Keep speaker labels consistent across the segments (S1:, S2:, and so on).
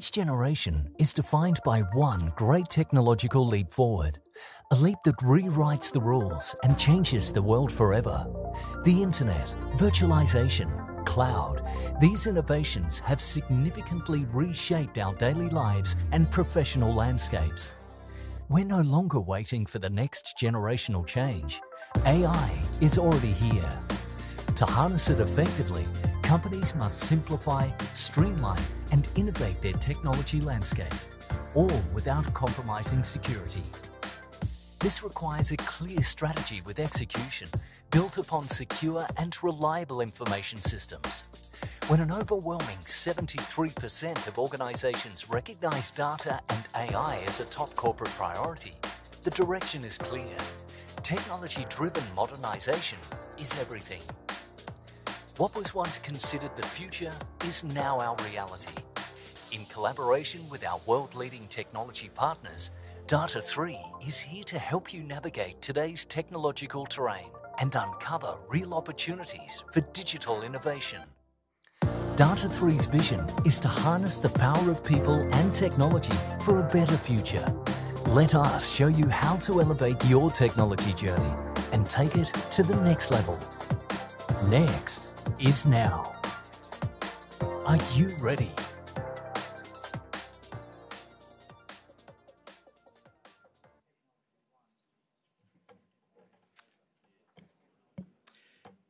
S1: Each generation is defined by one great technological leap forward, a leap that rewrites the rules and changes the world forever. The internet, virtualization, cloud, these innovations have significantly reshaped our daily lives and professional landscapes. We're no longer waiting for the next generational change. AI is already here. To harness it effectively, companies must simplify, streamline, and innovate their technology landscape, all without compromising security. This requires a clear strategy with execution, built upon secure and reliable information systems. When an overwhelming 73% of organizations recognize data and AI as a top corporate priority, the direction is clear: technology-driven modernization is everything. What was once considered the future is now our reality. In collaboration with our world-leading technology partners, Data#3 is here to help you navigate today's technological terrain and uncover real opportunities for digital innovation. Data#3's vision is to harness the power of people and technology for a better future. Let us show you how to elevate your technology journey and take it to the next level. Next is now. Are you ready?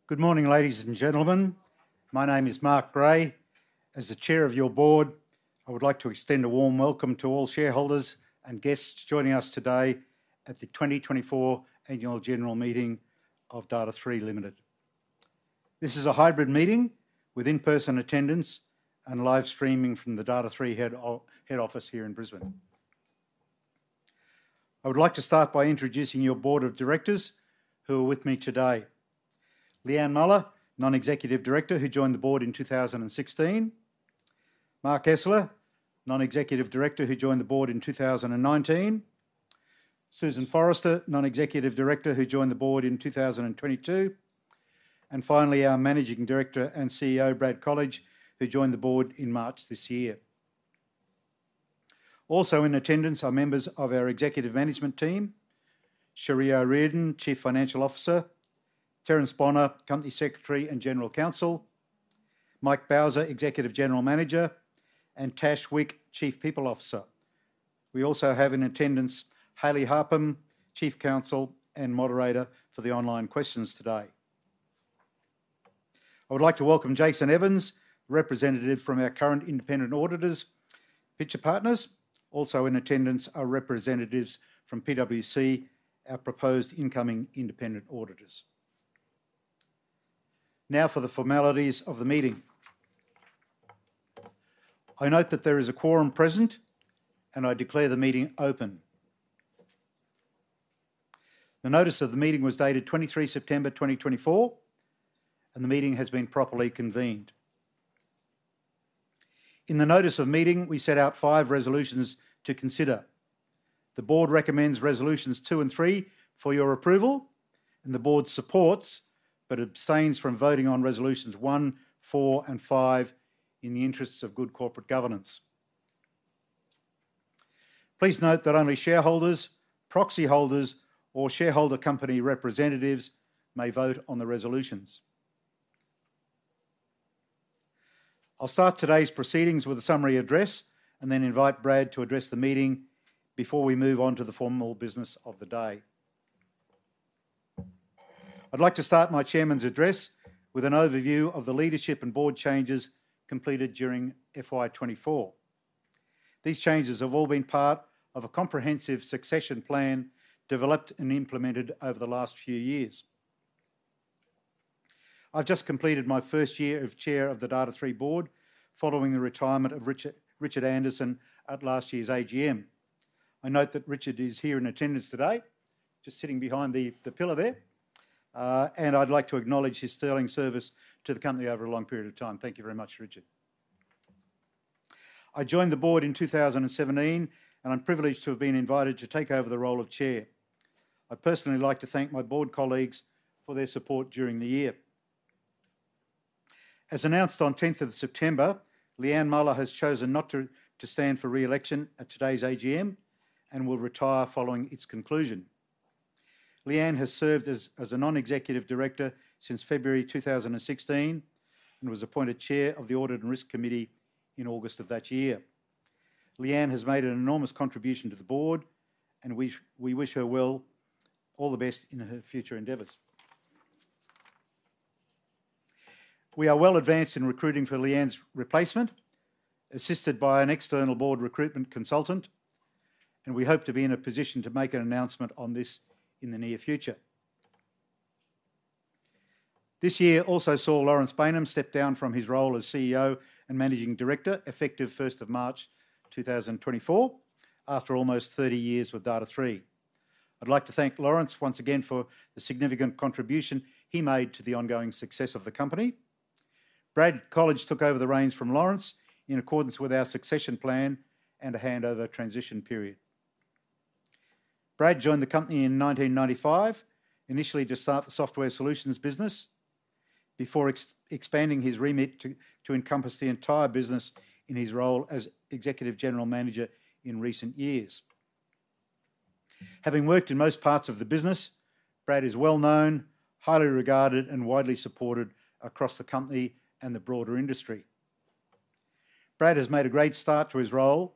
S2: Good morning, ladies and gentlemen. My name is Mark Gray. As the Chair of your board, I would like to extend a warm welcome to all shareholders and guests joining us today at the 2024 Annual General Meeting of Data#3 Limited. This is a hybrid meeting with in-person attendance and live streaming from the Data#3 head office here in Brisbane. I would like to start by introducing your board of directors who are with me today: Leanne Muller, Non-Executive Director, who joined the board in 2016. Mark Esler, Non-Executive Director, who joined the board in 2019. Susan Forrester, Non-Executive Director, who joined the board in 2022. And finally, our Managing Director and CEO, Brad Colledge, who joined the board in March this year. Also in attendance are members of our executive management team: Cherie O'Riordan, Chief Financial Officer; Terence Bonner, Company Secretary and General Counsel; Mike Bowser, Executive General Manager; and Tash Macknish, Chief People Officer. We also have in attendance Hayley Harpham, Chief Counsel and Moderator for the online questions today. I would like to welcome Jason Evans, representative from our current independent auditors, Pitcher Partners. Also in attendance are representatives from PwC, our proposed incoming independent auditors. Now for the formalities of the meeting. I note that there is a quorum present, and I declare the meeting open. The notice of the meeting was dated 23 September 2024, and the meeting has been properly convened. In the notice of meeting, we set out five resolutions to consider. The board recommends resolutions two and three for your approval, and the board supports but abstains from voting on resolutions one, four, and five in the interests of good corporate governance. Please note that only shareholders, proxy holders, or shareholder company representatives may vote on the resolutions. I'll start today's proceedings with a summary address and then invite Brad to address the meeting before we move on to the formal business of the day. I'd like to start my chairman's address with an overview of the leadership and board changes completed during FY 2024. These changes have all been part of a comprehensive succession plan developed and implemented over the last few years. I've just completed my first year as chair of the Data#3 board following the retirement of Richard Anderson at last year's AGM. I note that Richard is here in attendance today, just sitting behind the pillar there, and I'd like to acknowledge his sterling service to the company over a long period of time. Thank you very much, Richard. I joined the board in 2017, and I'm privileged to have been invited to take over the role of chair. I'd personally like to thank my board colleagues for their support during the year. As announced on 10th September, Leanne Muller has chosen not to stand for re-election at today's AGM and will retire following its conclusion. Leanne has served as a Non-Executive Director since February 2016 and was appointed Chair of the Audit and Risk Committee in August of that year. Leanne has made an enormous contribution to the board, and we wish her well and all the best in her future endeavors. We are well advanced in recruiting for Leanne's replacement, assisted by an external board recruitment consultant, and we hope to be in a position to make an announcement on this in the near future. This year also saw Laurence Baynham step down from his role as Chief Executive Officer and Managing Director effective March 1st, 2024, after almost 30 years with Data#3. I'd like to thank Laurence once again for the significant contribution he made to the ongoing success of the company. Brad Colledge took over the reins from Laurence in accordance with our succession plan and a handover transition period. Brad joined the company in 1995, initially to start the software solutions business, before expanding his remit to encompass the entire business in his role as Executive General Manager in recent years. Having worked in most parts of the business, Brad is well known, highly regarded, and widely supported across the company and the broader industry. Brad has made a great start to his role,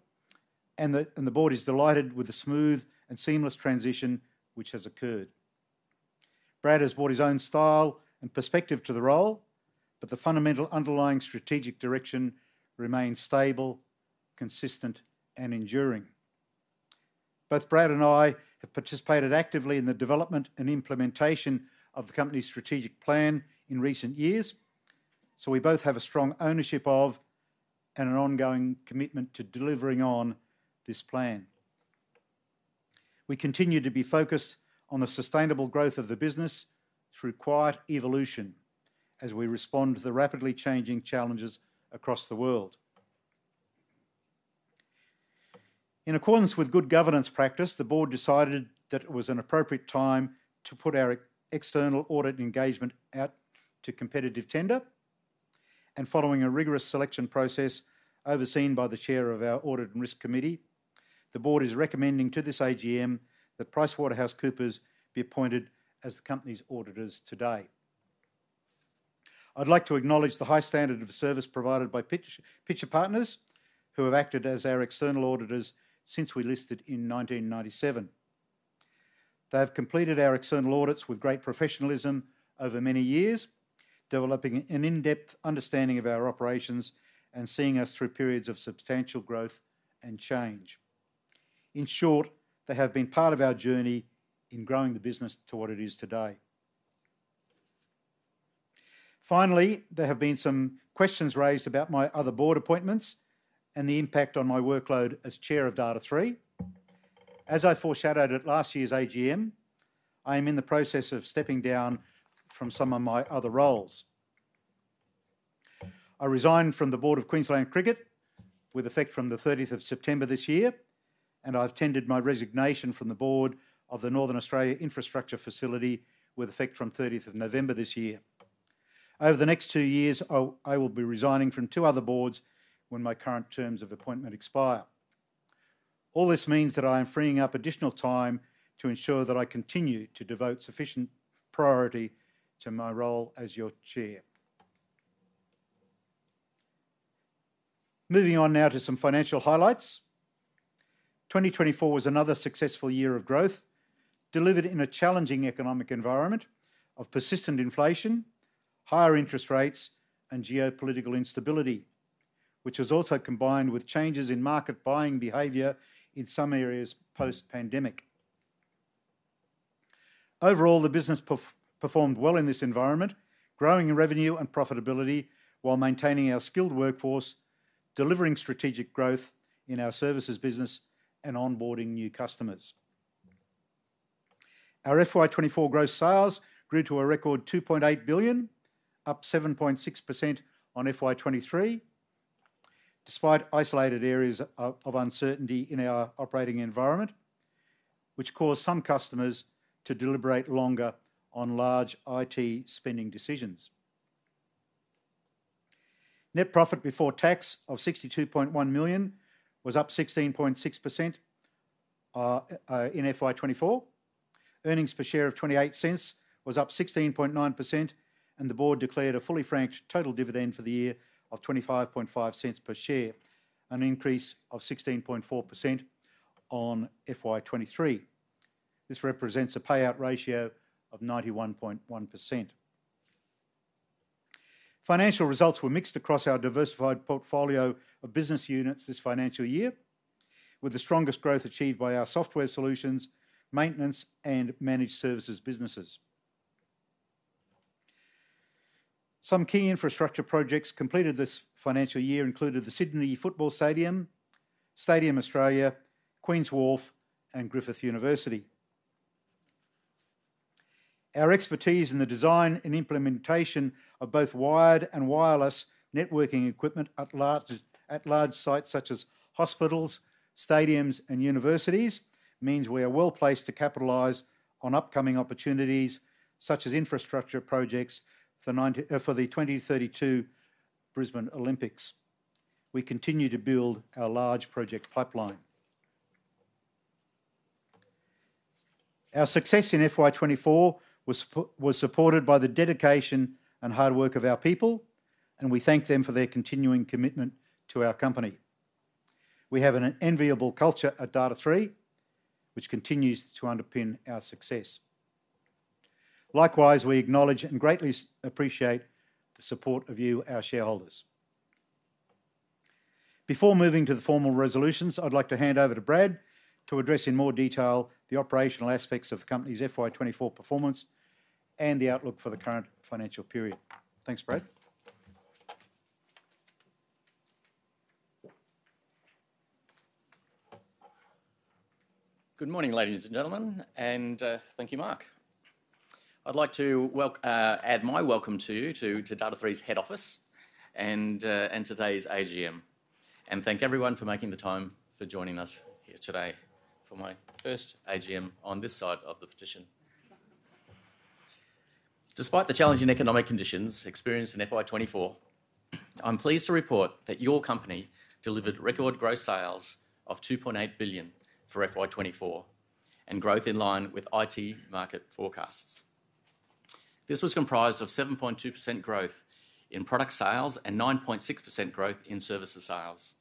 S2: and the board is delighted with the smooth and seamless transition which has occurred. Brad has brought his own style and perspective to the role, but the fundamental underlying strategic direction remains stable, consistent, and enduring. Both Brad and I have participated actively in the development and implementation of the company's strategic plan in recent years, so we both have a strong ownership of and an ongoing commitment to delivering on this plan. We continue to be focused on the sustainable growth of the business through quiet evolution as we respond to the rapidly changing challenges across the world. In accordance with good governance practice, the board decided that it was an appropriate time to put our external audit engagement out to competitive tender, and following a rigorous selection process overseen by the chair of our Audit and Risk Committee, the board is recommending to this AGM that PricewaterhouseCoopers be appointed as the company's auditors today. I'd like to acknowledge the high standard of service provided by Pitcher Partners, who have acted as our external auditors since we listed in 1997. They have completed our external audits with great professionalism over many years, developing an in-depth understanding of our operations and seeing us through periods of substantial growth and change. In short, they have been part of our journey in growing the business to what it is today. Finally, there have been some questions raised about my other board appointments and the impact on my workload as chair of Data#3. As I foreshadowed at last year's AGM, I am in the process of stepping down from some of my other roles. I resigned from the board of Queensland Cricket with effect from the 30th of September this year, and I've tendered my resignation from the board of the Northern Australia Infrastructure Facility with effect from the 30th of November this year. Over the next two years, I will be resigning from two other boards when my current terms of appointment expire. All this means that I am freeing up additional time to ensure that I continue to devote sufficient priority to my role as your chair. Moving on now to some financial highlights. 2024 was another successful year of growth, delivered in a challenging economic environment of persistent inflation, higher interest rates, and geopolitical instability, which was also combined with changes in market buying behavior in some areas post-pandemic. Overall, the business performed well in this environment, growing in revenue and profitability while maintaining our skilled workforce, delivering strategic growth in our services business, and onboarding new customers. Our FY 2024 gross sales grew to a record 2.8 billion, up 7.6% on FY 2023, despite isolated areas of uncertainty in our operating environment, which caused some customers to deliberate longer on large IT spending decisions. Net profit before tax of 62.1 million was up 16.6% in FY 2024. Earnings per share of 0.28 was up 16.9%, and the board declared a fully franked total dividend for the year of 0.255 per share, an increase of 16.4% on FY 2023. This represents a payout ratio of 91.1%. Financial results were mixed across our diversified portfolio of business units this financial year, with the strongest growth achieved by our software solutions, maintenance, and managed services businesses. Some key infrastructure projects completed this financial year included the Sydney Football Stadium, Stadium Australia, Queen's Wharf, and Griffith University. Our expertise in the design and implementation of both wired and wireless networking equipment at large sites such as hospitals, stadiums, and universities means we are well placed to capitalize on upcoming opportunities such as infrastructure projects for the 2032 Brisbane Olympics. We continue to build our large project pipeline. Our success in FY 2024 was supported by the dedication and hard work of our people, and we thank them for their continuing commitment to our company. We have an enviable culture at Data#3, which continues to underpin our success. Likewise, we acknowledge and greatly appreciate the support of you, our shareholders. Before moving to the formal resolutions, I'd like to hand over to Brad to address in more detail the operational aspects of the company's FY 2024 performance and the outlook for the current financial period. Thanks, Brad.
S3: Good morning, ladies and gentlemen, and thank you, Mark. I'd like to add my welcome to you to Data#3's head office and today's AGM, and thank everyone for making the time for joining us here today for my first AGM on this side of the podium. Despite the challenging economic conditions experienced in FY 2024, I'm pleased to report that your company delivered record gross sales of 2.8 billion for FY 2024 and growth in line with IT market forecasts. This was comprised of 7.2% growth in product sales and 9.6% growth in services sales.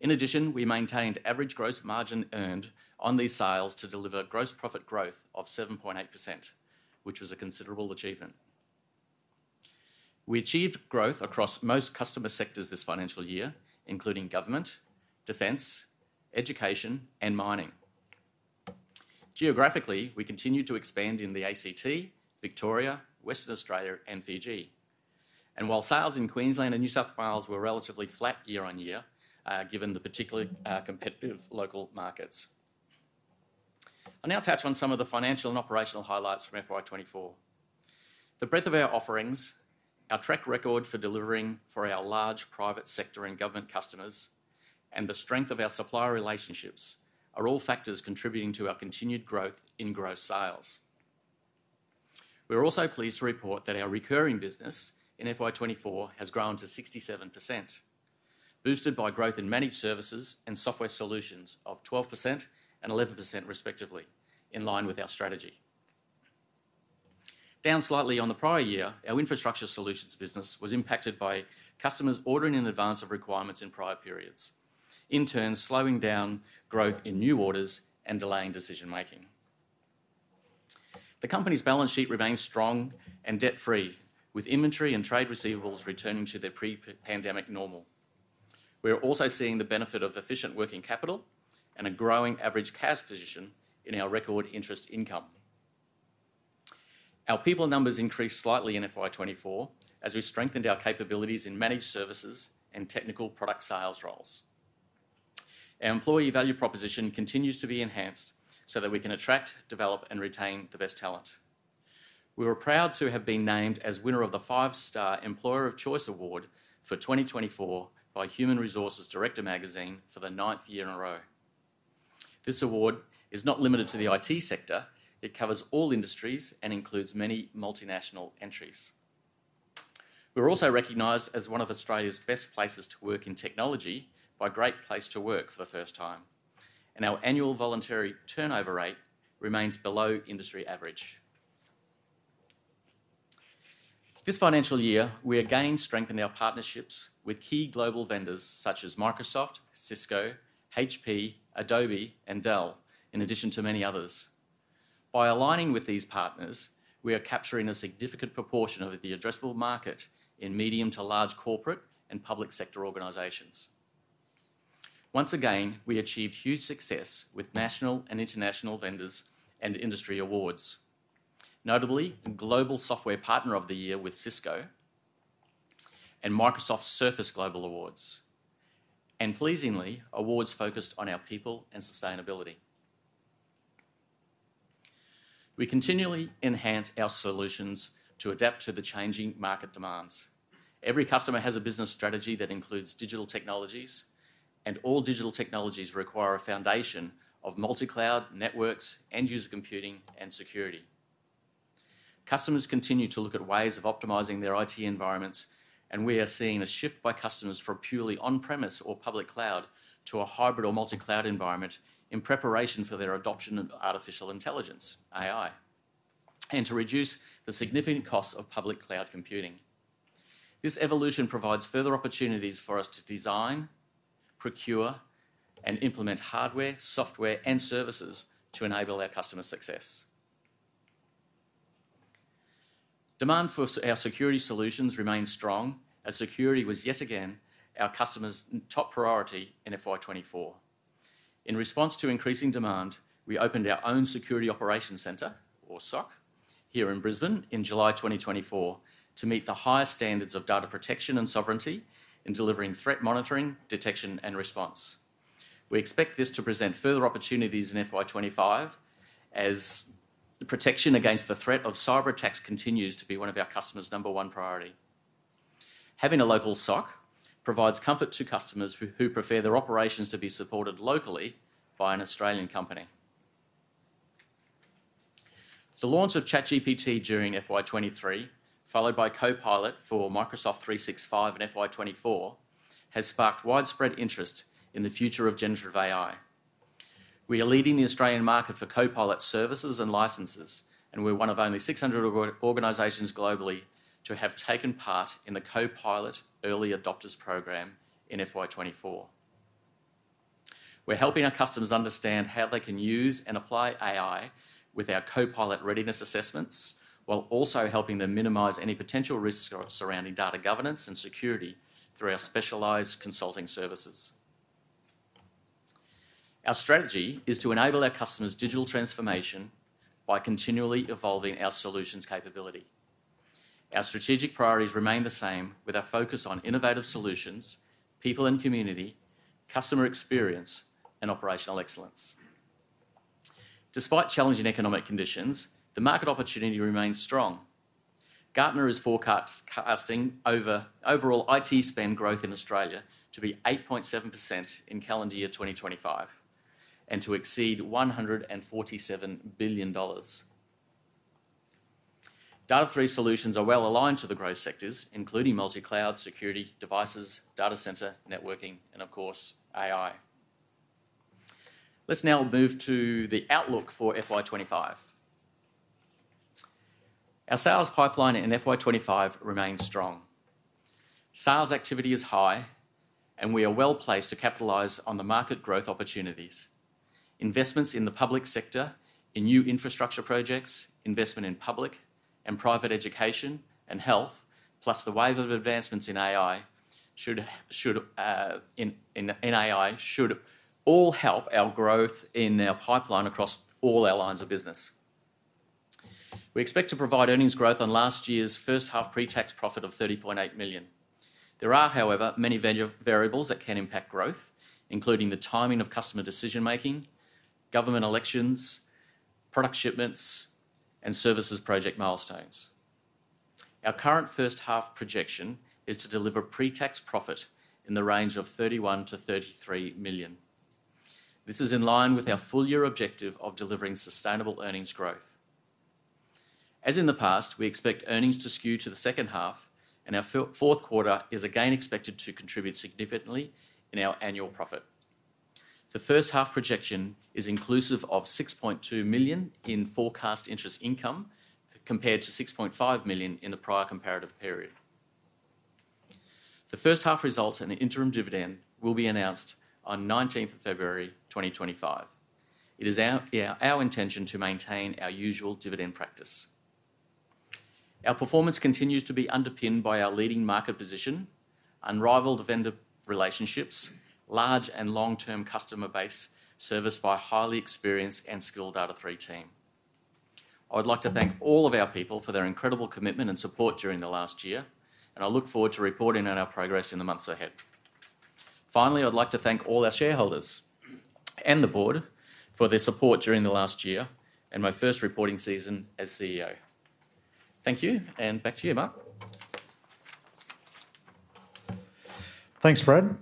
S3: In addition, we maintained average gross margin earned on these sales to deliver gross profit growth of 7.8%, which was a considerable achievement. We achieved growth across most customer sectors this financial year, including government, defense, education, and mining. Geographically, we continued to expand in the ACT, Victoria, Western Australia, and Fiji, and while sales in Queensland and New South Wales were relatively flat year on year, given the particularly competitive local markets. I'll now touch on some of the financial and operational highlights from FY 2024. The breadth of our offerings, our track record for delivering for our large private sector and government customers, and the strength of our supplier relationships are all factors contributing to our continued growth in gross sales. We're also pleased to report that our recurring business in FY 2024 has grown to 67%, boosted by growth in managed services and software solutions of 12% and 11%, respectively, in line with our strategy. Down slightly on the prior year, our infrastructure solutions business was impacted by customers ordering in advance of requirements in prior periods, in turn slowing down growth in new orders and delaying decision-making. The company's balance sheet remains strong and debt-free, with inventory and trade receivables returning to their pre-pandemic normal. We're also seeing the benefit of efficient working capital and a growing average CAS position in our record interest income. Our people numbers increased slightly in FY 2024 as we strengthened our capabilities in managed services and technical product sales roles. Our employee value proposition continues to be enhanced so that we can attract, develop, and retain the best talent. We were proud to have been named as winner of the Five Star Employer of Choice Award for 2024 by Human Resources Director Magazine for the ninth year in a row. This award is not limited to the IT sector. It covers all industries and includes many multinational entries. We're also recognized as one of Australia's best places to work in technology by Great Place to Work for the first time, and our annual voluntary turnover rate remains below industry average. This financial year, we again strengthened our partnerships with key global vendors such as Microsoft, Cisco, HP, Adobe, and Dell, in addition to many others. By aligning with these partners, we are capturing a significant proportion of the addressable market in medium to large corporate and public sector organizations. Once again, we achieved huge success with national and international vendors and industry awards, notably Global Software Partner of the Year with Cisco and Microsoft Surface Global Awards, and pleasingly, awards focused on our people and sustainability. We continually enhance our solutions to adapt to the changing market demands. Every customer has a business strategy that includes digital technologies, and all digital technologies require a foundation of multi-cloud networks, end-user computing, and security. Customers continue to look at ways of optimizing their IT environments, and we are seeing a shift by customers from purely on-premise or public cloud to a hybrid or multi-cloud environment in preparation for their adoption of artificial intelligence, AI, and to reduce the significant cost of public cloud computing. This evolution provides further opportunities for us to design, procure, and implement hardware, software, and services to enable our customer success. Demand for our security solutions remains strong as security was yet again our customer's top priority in FY 2024. In response to increasing demand, we opened our own Security Operations Centre, or SOC, here in Brisbane in July 2024 to meet the highest standards of data protection and sovereignty in delivering threat monitoring, detection, and response. We expect this to present further opportunities in FY 2025 as protection against the threat of cyber attacks continues to be one of our customers' number one priority. Having a local SOC provides comfort to customers who prefer their operations to be supported locally by an Australian company. The launch of ChatGPT during FY 2023, followed by Copilot for Microsoft 365 in FY 2024, has sparked widespread interest in the future of generative AI. We are leading the Australian market for Copilot services and licenses, and we're one of only 600 organizations globally to have taken part in the Copilot Early Adopters Program in FY 2024. We're helping our customers understand how they can use and apply AI with our Copilot readiness assessments while also helping them minimize any potential risks surrounding data governance and security through our specialized consulting services. Our strategy is to enable our customers' digital transformation by continually evolving our solutions capability. Our strategic priorities remain the same, with our focus on innovative solutions, people and community, customer experience, and operational excellence. Despite challenging economic conditions, the market opportunity remains strong. Gartner is forecasting overall IT spend growth in Australia to be 8.7% in calendar year 2025 and to exceed AUD 147 billion. Data#3 solutions are well aligned to the growth sectors, including multi-cloud, security, devices, data center, networking, and of course, AI. Let's now move to the outlook for FY 2025. Our sales pipeline in FY 2025 remains strong. Sales activity is high, and we are well placed to capitalize on the market growth opportunities. Investments in the public sector, in new infrastructure projects, investment in public and private education and health, plus the wave of advancements in AI should all help our growth in our pipeline across all our lines of business. We expect to provide earnings growth on last year's first half pre-tax profit of 30.8 million. There are, however, many variables that can impact growth, including the timing of customer decision-making, government elections, product shipments, and services project milestones. Our current first half projection is to deliver pre-tax profit in the range of 31 million-33 million. This is in line with our full year objective of delivering sustainable earnings growth. As in the past, we expect earnings to skew to the second half, and our fourth quarter is again expected to contribute significantly in our annual profit. The first half projection is inclusive of 6.2 million in forecast interest income compared to 6.5 million in the prior comparative period. The first half results and the interim dividend will be announced on February 19, 2025. It is our intention to maintain our usual dividend practice. Our performance continues to be underpinned by our leading market position, unrivaled vendor relationships, large and long-term customer base serviced by a highly experienced and skilled Data#3 team. I would like to thank all of our people for their incredible commitment and support during the last year, and I look forward to reporting on our progress in the months ahead. Finally, I'd like to thank all our shareholders and the board for their support during the last year and my first reporting season as CEO. Thank you, and back to you, Mark.
S2: Thanks, Brad.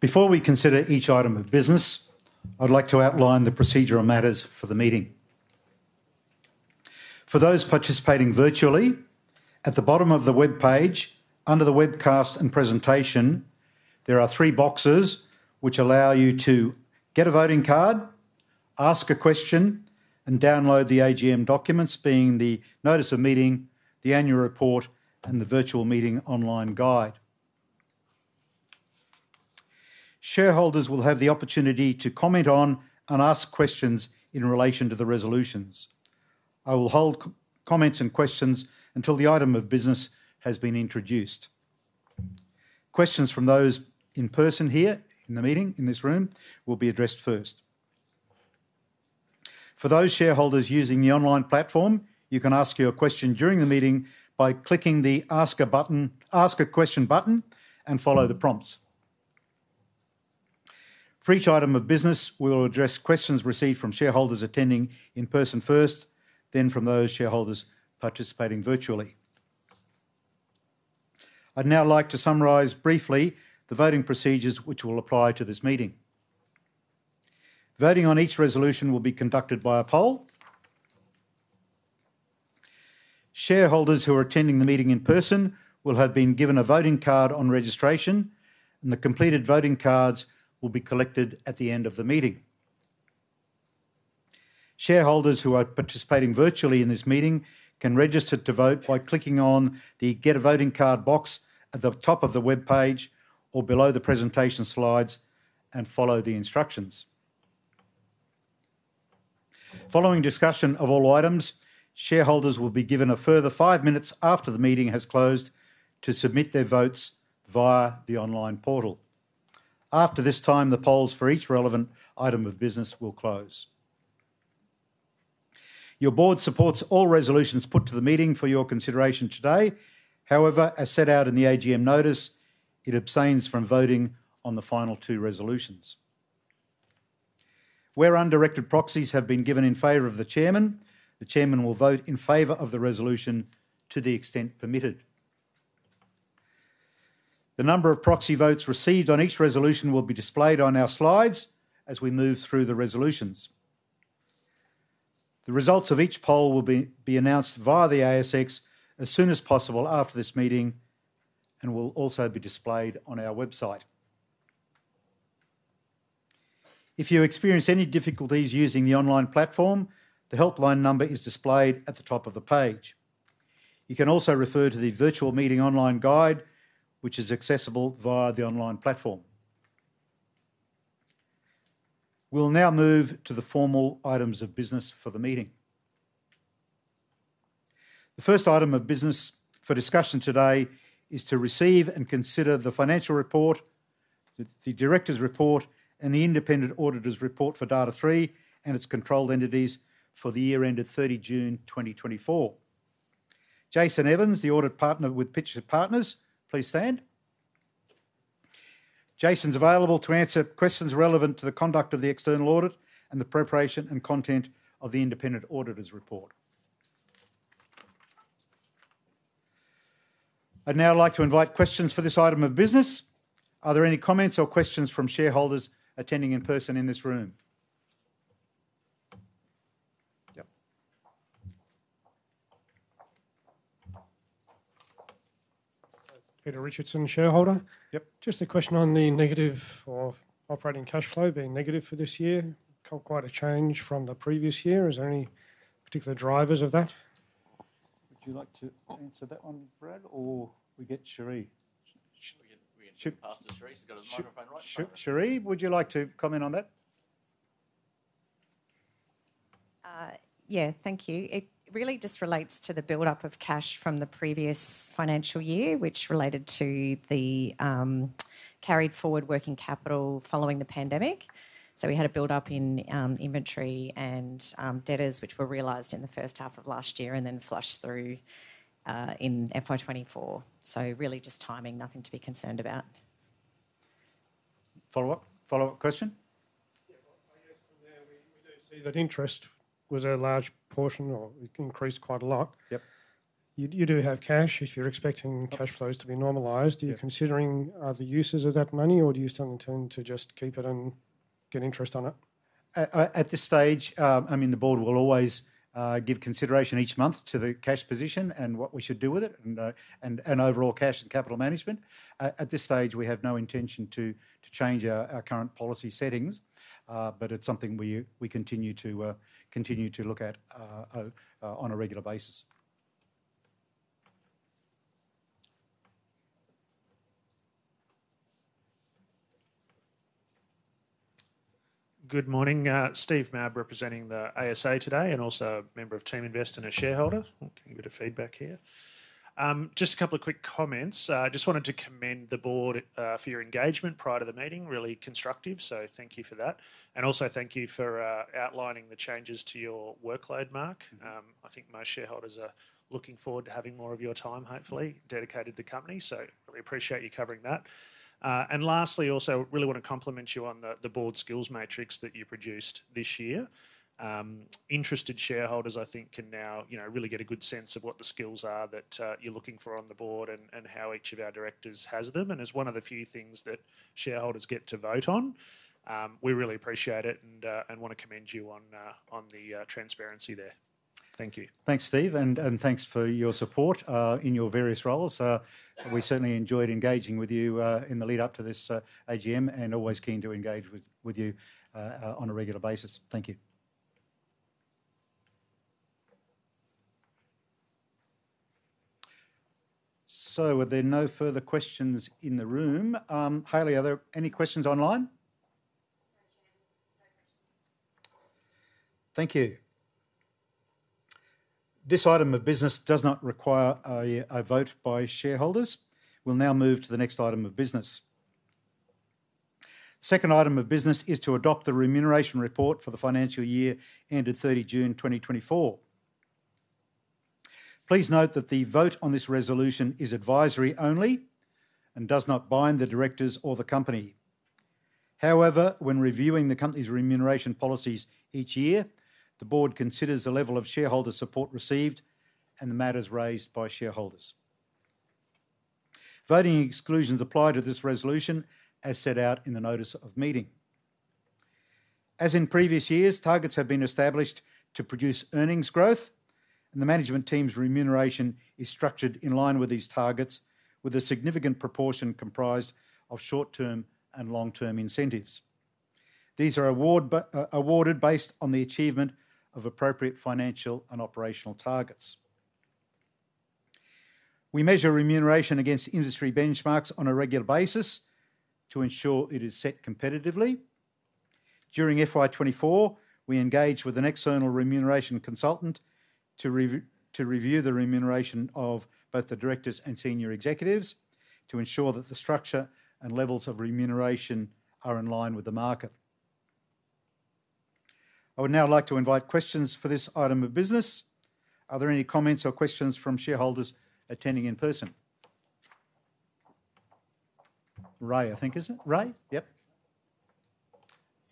S2: Before we consider each item of business, I'd like to outline the procedure and matters for the meeting. For those participating virtually, at the bottom of the webpage, under the webcast and presentation, there are three boxes which allow you to get a voting card, ask a question, and download the AGM documents being the notice of meeting, the annual report, and the virtual meeting online guide. Shareholders will have the opportunity to comment on and ask questions in relation to the resolutions. I will hold comments and questions until the item of business has been introduced. Questions from those in person here in the meeting in this room will be addressed first. For those shareholders using the online platform, you can ask your question during the meeting by clicking the Ask a Question button and follow the prompts. For each item of business, we will address questions received from shareholders attending in person first, then from those shareholders participating virtually. I'd now like to summarize briefly the voting procedures which will apply to this meeting. Voting on each resolution will be conducted by a poll. Shareholders who are attending the meeting in person will have been given a voting card on registration, and the completed voting cards will be collected at the end of the meeting. Shareholders who are participating virtually in this meeting can register to vote by clicking on the Get a Voting Card box at the top of the webpage or below the presentation slides and follow the instructions. Following discussion of all items, shareholders will be given a further five minutes after the meeting has closed to submit their votes via the online portal. After this time, the polls for each relevant item of business will close. Your board supports all resolutions put to the meeting for your consideration today. However, as set out in the AGM notice, it abstains from voting on the final two resolutions. Where undirected proxies have been given in favour of the chairman, the chairman will vote in favour of the resolution to the extent permitted. The number of proxy votes received on each resolution will be displayed on our slides as we move through the resolutions. The results of each poll will be announced via the ASX as soon as possible after this meeting and will also be displayed on our website. If you experience any difficulties using the online platform, the helpline number is displayed at the top of the page. You can also refer to the virtual meeting online guide, which is accessible via the online platform. We'll now move to the formal items of business for the meeting. The first item of business for discussion today is to receive and consider the financial report, the director's report, and the independent auditor's report for Data#3 and its controlled entities for the year ended June 30, 2024. Jason Evans, the audit partner with Pitcher Partners, please stand. Jason's available to answer questions relevant to the conduct of the external audit and the preparation and content of the independent auditor's report. I'd now like to invite questions for this item of business. Are there any comments or questions from shareholders attending in person in this room?
S4: Yep.
S2: Peter Richardson, shareholder.
S4: Yep.
S2: Just a question on the net operating cash flow being negative for this year. Quite a change from the previous year. Is there any particular drivers of that? Would you like to answer that one, Brad, or we get Cherie?
S3: We can ask to Cherie. She's got a microphone right.
S2: Cherie, would you like to comment on that?
S5: Yeah, thank you. It really just relates to the build-up of cash from the previous financial year, which related to the carried forward working capital following the pandemic. So we had a build-up in inventory and debtors, which were realized in the first half of last year and then flushed through in FY 2024. So really just timing, nothing to be concerned about.
S2: Follow-up question?
S4: Yeah, I guess from there, we do see that interest was a large portion or increased quite a lot.
S2: Yep.
S4: You do have cash. If you're expecting cash flows to be normalized, are you considering the uses of that money, or do you still intend to just keep it and get interest on it?
S2: At this stage, I mean, the board will always give consideration each month to the cash position and what we should do with it and overall cash and capital management. At this stage, we have no intention to change our current policy settings, but it's something we continue to look at on a regular basis. Good morning. Steve Mabb representing the ASA today and also a member of TeamInvest and a shareholder. Give a bit of feedback here. Just a couple of quick comments. I just wanted to commend the board for your engagement prior to the meeting. Really constructive, so thank you for that. And also thank you for outlining the changes to your workload, Mark. I think most shareholders are looking forward to having more of your time, hopefully, dedicated to the company. So really appreciate you covering that. Lastly, also really want to compliment you on the board skills matrix that you produced this year. Interested shareholders, I think, can now really get a good sense of what the skills are that you're looking for on the board and how each of our directors has them. As one of the few things that shareholders get to vote on, we really appreciate it and want to commend you on the transparency there. Thank you. Thanks, Steve, and thanks for your support in your various roles. We certainly enjoyed engaging with you in the lead-up to this AGM and always keen to engage with you on a regular basis. Thank you. Are there no further questions in the room? Hayley, are there any questions online? Thank you. This item of business does not require a vote by shareholders. We'll now move to the next item of business. Second item of business is to adopt the remuneration report for the financial year ended June 30, 2024. Please note that the vote on this resolution is advisory only and does not bind the directors or the company. However, when reviewing the company's remuneration policies each year, the board considers the level of shareholder support received and the matters raised by shareholders. Voting exclusions apply to this resolution as set out in the notice of meeting. As in previous years, targets have been established to produce earnings growth, and the management team's remuneration is structured in line with these targets, with a significant proportion comprised of short-term and long-term incentives. These are awarded based on the achievement of appropriate financial and operational targets. We measure remuneration against industry benchmarks on a regular basis to ensure it is set competitively. During FY 2024, we engage with an external remuneration consultant to review the remuneration of both the directors and senior executives to ensure that the structure and levels of remuneration are in line with the market. I would now like to invite questions for this item of business. Are there any comments or questions from shareholders attending in person? Ray, I think, is it? Ray? Yep.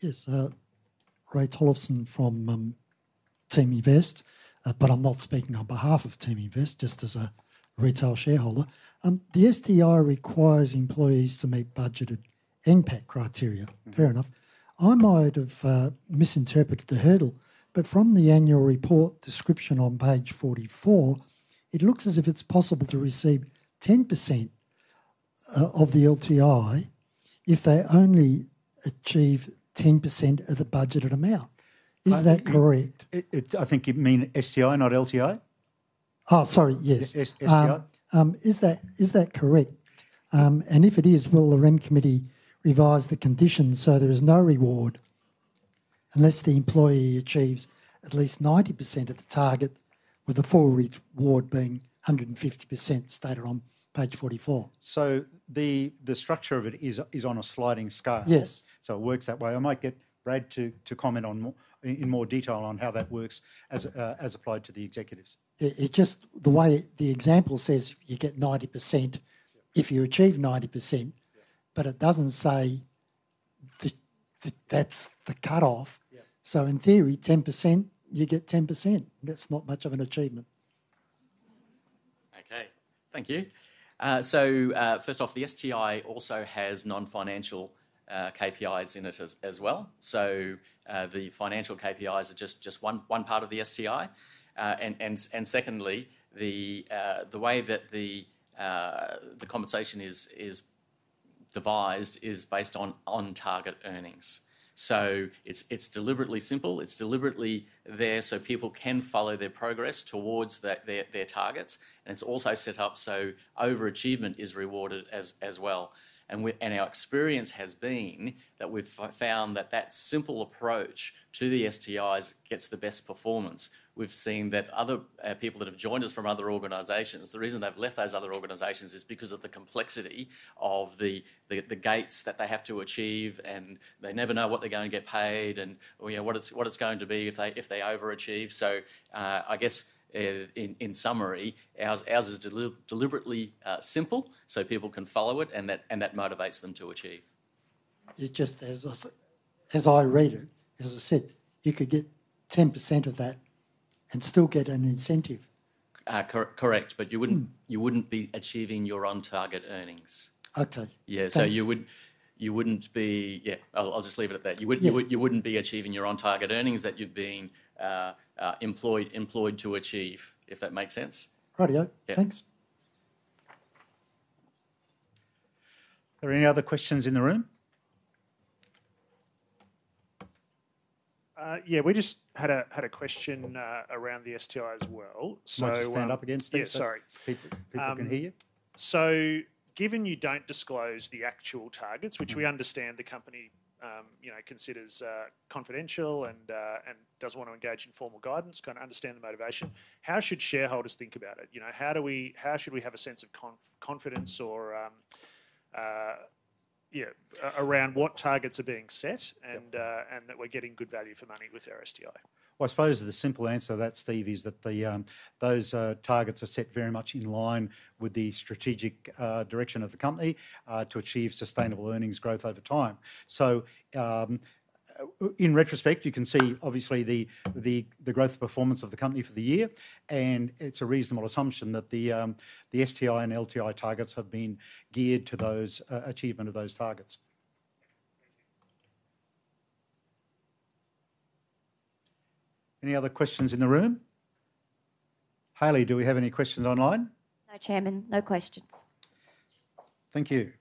S6: Yes. Ray Tolleson from Team Invest, but I'm not speaking on behalf of TeamInvest just as a retail shareholder. The STI requires employees to meet budgeted impact criteria. Fair enough. I might have misinterpreted the hurdle, but from the annual report description on page 44, it looks as if it's possible to receive 10% of the LTI if they only achieve 10% of the budgeted amount. Is that correct?
S2: I think you mean STI, not LTI?
S6: Oh, sorry. Yes.
S2: STI?
S6: Is that correct? And if it is, will the REM committee revise the conditions so there is no reward unless the employee achieves at least 90% of the target, with the full reward being 150% stated on page 44?
S2: The structure of it is on a sliding scale.
S6: Yes.
S2: So it works that way. I might get Brad to comment in more detail on how that works as applied to the executives.
S6: The way the example says you get 90% if you achieve 90%, but it doesn't say that's the cutoff. So in theory, 10%, you get 10%. That's not much of an achievement.
S3: Okay. Thank you. So first off, the STI also has non-financial KPIs in it as well. So the financial KPIs are just one part of the STI. And secondly, the way that the compensation is devised is based on target earnings. So it's deliberately simple. It's deliberately there so people can follow their progress towards their targets. And it's also set up so overachievement is rewarded as well. And our experience has been that we've found that that simple approach to the STIs gets the best performance. We've seen that other people that have joined us from other organisations, the reason they've left those other organisations is because of the complexity of the gates that they have to achieve, and they never know what they're going to get paid and what it's going to be if they overachieve. So I guess in summary, ours is deliberately simple so people can follow it, and that motivates them to achieve.
S6: Just as I read it, as I said, you could get 10% of that and still get an incentive.
S3: Correct, but you wouldn't be achieving your on-target earnings.
S6: Okay.
S3: Yeah, so you wouldn't be, yeah, I'll just leave it at that. You wouldn't be achieving your on-target earnings that you've been employed to achieve, if that makes sense.
S6: Righty-o. Thanks.
S2: Are there any other questions in the room?
S7: Yeah, we just had a question around the STI as well.
S2: Can you stand up against it?
S7: Yeah, sorry.
S2: People can hear you.
S7: So, given you don't disclose the actual targets, which we understand the company considers confidential and doesn't want to engage in formal guidance, kind of understand the motivation, how should shareholders think about it? How should we have a sense of confidence around what targets are being set and that we're getting good value for money with our STI?
S2: I suppose the simple answer to that, [Steve], is that those targets are set very much in line with the strategic direction of the company to achieve sustainable earnings growth over time. In retrospect, you can see obviously the growth performance of the company for the year, and it's a reasonable assumption that the STI and LTI targets have been geared to the achievement of those targets. Any other questions in the room? Hayley, do we have any questions online?
S8: No, Chairman. No questions.
S2: Thank you.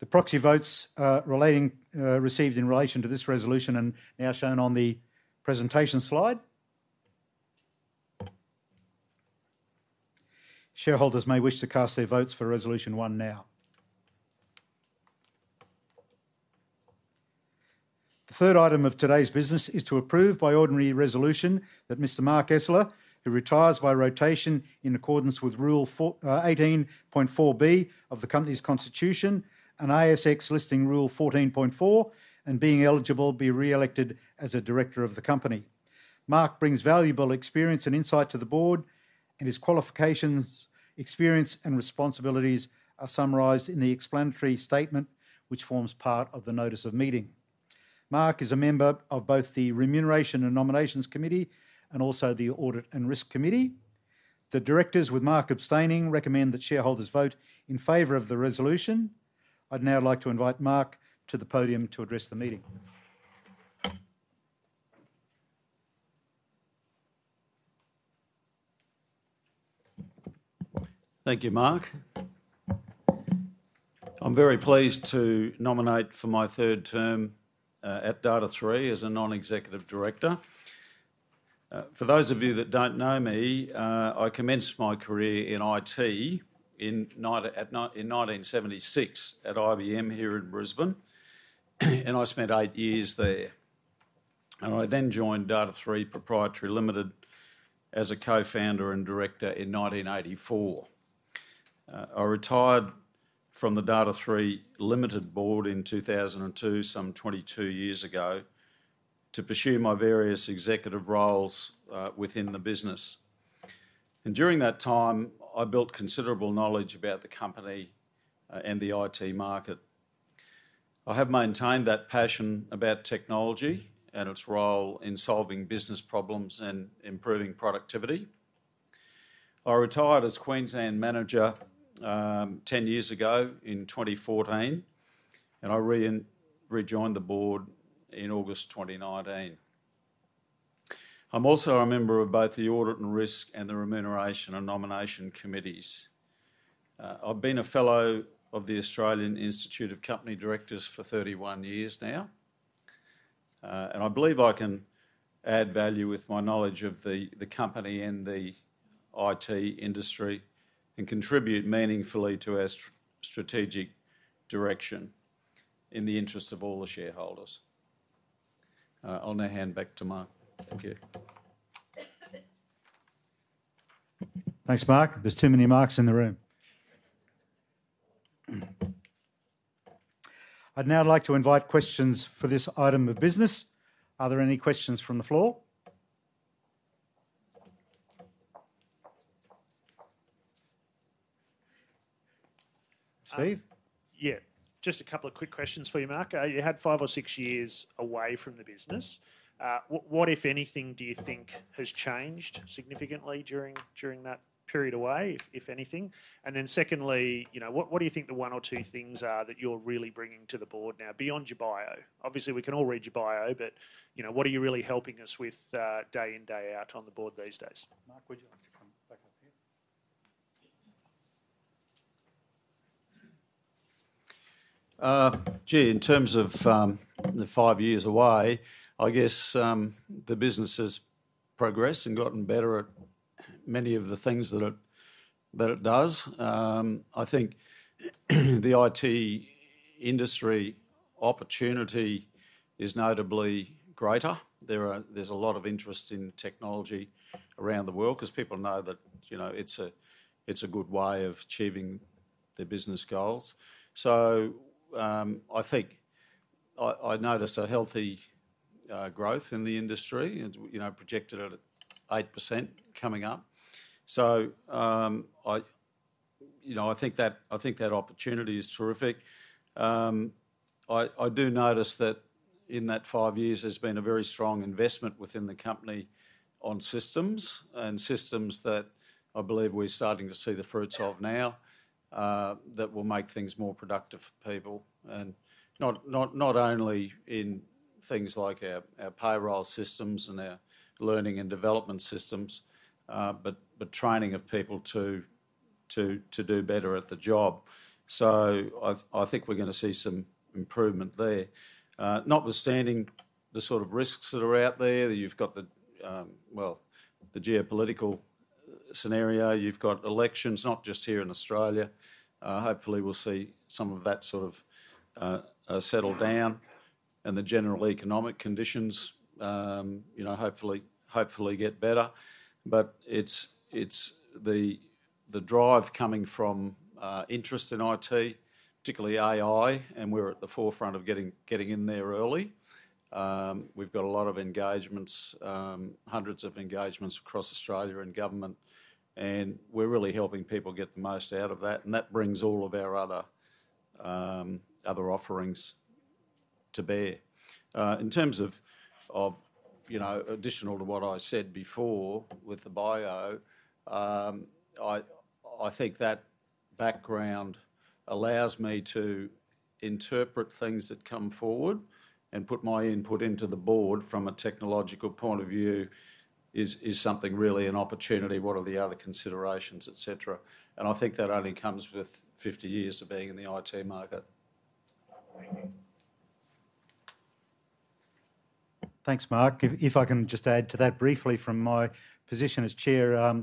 S2: The proxy votes received in relation to this resolution and now shown on the presentation slide. Shareholders may wish to cast their votes for Resolution 1 now. The third item of today's business is to approve by ordinary resolution that Mr. Mark Esler, who retires by rotation in accordance with Rule 18.4B of the company's constitution, and ASX Listing Rule 14.4, and being eligible, be re-elected as a director of the company. Mark brings valuable experience and insight to the board, and his qualifications, experience, and responsibilities are summarised in the explanatory statement, which forms part of the notice of meeting. Mark is a member of both the remuneration and nominations committee and also the audit and risk committee. The directors, with Mark abstaining, recommend that shareholders vote in favor of the resolution. I'd now like to invite Mark to the podium to address the meeting.
S9: Thank you, Mark. I'm very pleased to nominate for my third term at Data#3 as a non-executive director. For those of you that don't know me, I commenced my career in IT in 1976 at IBM here in Brisbane, and I spent eight years there, and I then joined Data#3 Proprietary Limited as a co-founder and director in 1984. I retired from the Data#3 Limited board in 2002, some 22 years ago, to pursue my various executive roles within the business, and during that time, I built considerable knowledge about the company and the IT market. I have maintained that passion about technology and its role in solving business problems and improving productivity. I retired as Queensland manager 10 years ago in 2014, and I rejoined the board in August 2019. I'm also a member of both the audit and risk and the remuneration and nomination committees. I've been a fellow of the Australian Institute of Company Directors for 31 years now, and I believe I can add value with my knowledge of the company and the IT industry and contribute meaningfully to our strategic direction in the interest of all the shareholders. I'll now hand back to Mark. Thank you.
S2: Thanks, Mark. There's too many Marks in the room. I'd now like to invite questions for this item of business. Are there any questions from the floor? Steve?
S10: Yeah. Just a couple of quick questions for you, Mark. You had five or six years away from the business. What, if anything, do you think has changed significantly during that period away, if anything? And then secondly, what do you think the one or two things are that you're really bringing to the board now beyond your bio? Obviously, we can all read your bio, but what are you really helping us with day in, day out on the board these days? Mark, would you like to come back up here?
S9: Gee, in terms of the five years away, I guess the business has progressed and gotten better at many of the things that it does. I think the IT industry opportunity is notably greater. There's a lot of interest in technology around the world because people know that it's a good way of achieving their business goals. So I think I noticed a healthy growth in the industry, projected at 8% coming up. So I think that opportunity is terrific. I do notice that in that five years, there's been a very strong investment within the company on systems, and systems that I believe we're starting to see the fruits of now that will make things more productive for people. And not only in things like our payroll systems and our learning and development systems, but training of people to do better at the job. So I think we're going to see some improvement there. Notwithstanding the sort of risks that are out there, you've got the, well, the geopolitical scenario, you've got elections, not just here in Australia. Hopefully, we'll see some of that sort of settle down, and the general economic conditions hopefully get better. But it's the drive coming from interest in IT, particularly AI, and we're at the forefront of getting in there early. We've got a lot of engagements, hundreds of engagements across Australia and government, and we're really helping people get the most out of that. And that brings all of our other offerings to bear. In terms of additional to what I said before with the bio, I think that background allows me to interpret things that come forward and put my input into the board from a technological point of view, is something really an opportunity. What are the other considerations, etc.? And I think that only comes with 50 years of being in the IT market.
S2: Thank you. Thanks, Mark. If I can just add to that briefly from my position as chair,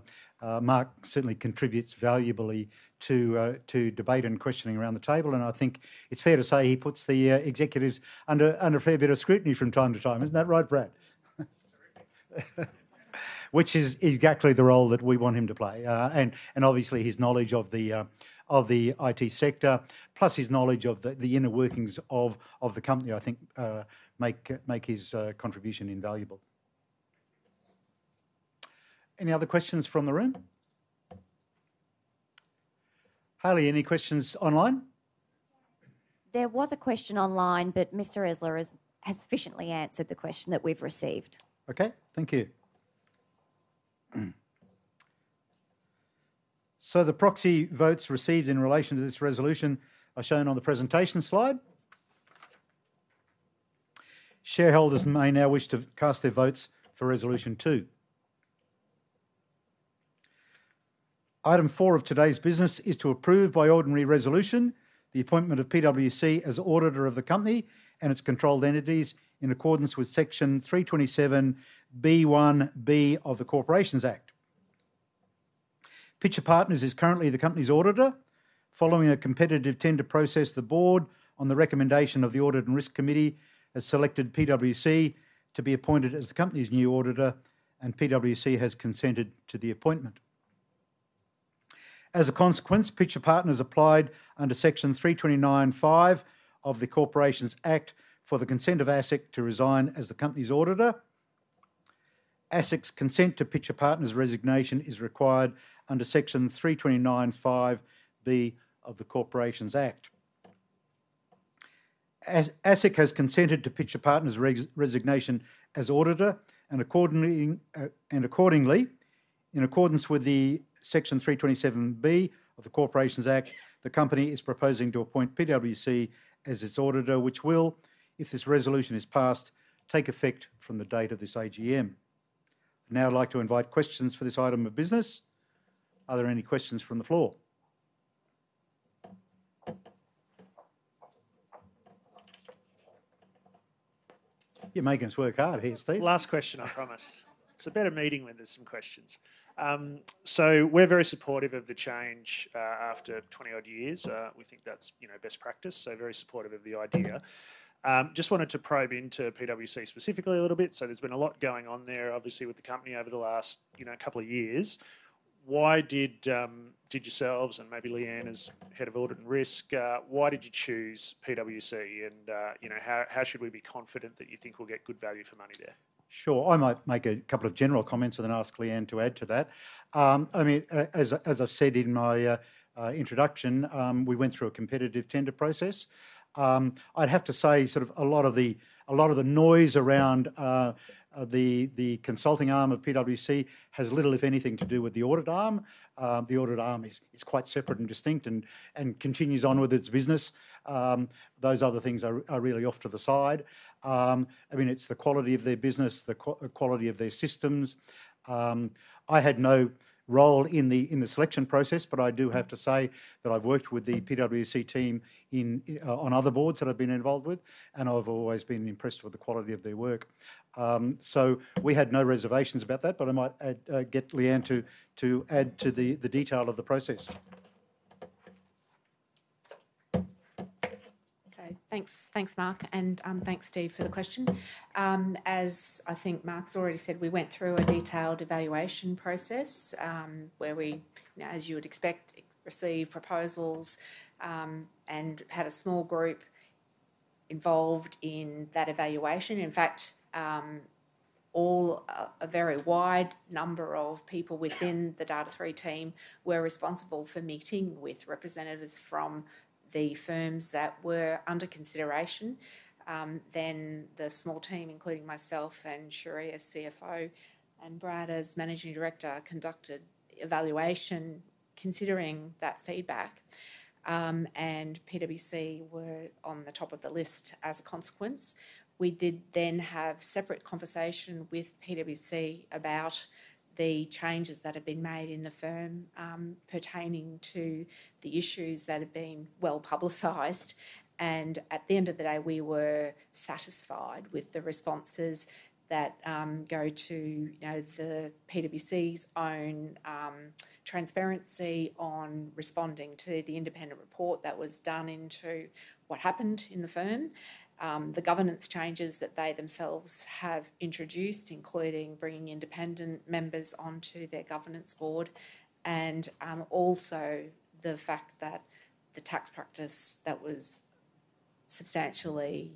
S2: Mark certainly contributes valuably to debate and questioning around the table. And I think it's fair to say he puts the executives under a fair bit of scrutiny from time to time. Isn't that right, Brad? Which is exactly the role that we want him to play. And obviously, his knowledge of the IT sector, plus his knowledge of the inner workings of the company, I think make his contribution invaluable. Any other questions from the room? Hayley, any questions online?
S8: There was a question online, but Mr. Esler has efficiently answered the question that we've received.
S2: Okay. Thank you. So the proxy votes received in relation to this resolution are shown on the presentation slide. Shareholders may now wish to cast their votes for Resolution 2. Item 4 of today's business is to approve by ordinary resolution the appointment of PwC as auditor of the company and its controlled entities in accordance with Section 327(b)(1)(b) of the Corporations Act. Pitcher Partners is currently the company's auditor, following a competitive tender process, the board, on the recommendation of the audit and risk committee, has selected PwC to be appointed as the company's new auditor, and PwC has consented to the appointment. As a consequence, Pitcher Partners applied under Section 329(5) of the Corporations Act for the consent of ASIC to resign as the company's auditor. ASIC's consent to Pitcher Partners' resignation is required under Section 329(5)(b) of the Corporations Act. ASIC has consented to Pitcher Partners' resignation as auditor, and accordingly, in accordance with Section 327(b) of the Corporations Act, the company is proposing to appoint PwC as its auditor, which will, if this resolution is passed, take effect from the date of this AGM. I'd now like to invite questions for this item of business. Are there any questions from the floor? Yeah, Megan's worked hard here, Steve.
S10: Last question, I promise. It's a better meeting when there's some questions. So we're very supportive of the change after 20-odd years. We think that's best practice, so very supportive of the idea. Just wanted to probe into PwC specifically a little bit. So there's been a lot going on there, obviously, with the company over the last couple of years. Why did you yourselves and maybe Leanne as head of audit and risk, why did you choose PwC, and how should we be confident that you think we'll get good value for money there?
S2: Sure. I might make a couple of general comments and then ask Leanne to add to that. I mean, as I've said in my introduction, we went through a competitive tender process. I'd have to say sort of a lot of the noise around the consulting arm of PWC has little, if anything, to do with the audit arm. The audit arm is quite separate and distinct and continues on with its business. Those other things are really off to the side. I mean, it's the quality of their business, the quality of their systems. I had no role in the selection process, but I do have to say that I've worked with the PWC team on other boards that I've been involved with, and I've always been impressed with the quality of their work. So we had no reservations about that, but I might get Leanne to add to the detail of the process.
S5: So thanks, Mark, and thanks, Steve, for the question. As I think Mark's already said, we went through a detailed evaluation process where we, as you would expect, received proposals and had a small group involved in that evaluation. In fact, a very wide number of people within the Data#3 team were responsible for meeting with representatives from the firms that were under consideration. Then the small team, including myself and Cherie as CFO and Brad as Managing Director, conducted evaluation considering that feedback, and PwC were on the top of the list. As a consequence, we did then have a separate conversation with PwC about the changes that had been made in the firm pertaining to the issues that had been well publicised. At the end of the day, we were satisfied with the responses that go to the PwC's own transparency on responding to the independent report that was done into what happened in the firm, the governance changes that they themselves have introduced, including bringing independent members onto their governance board, and also the fact that the tax practice that was substantially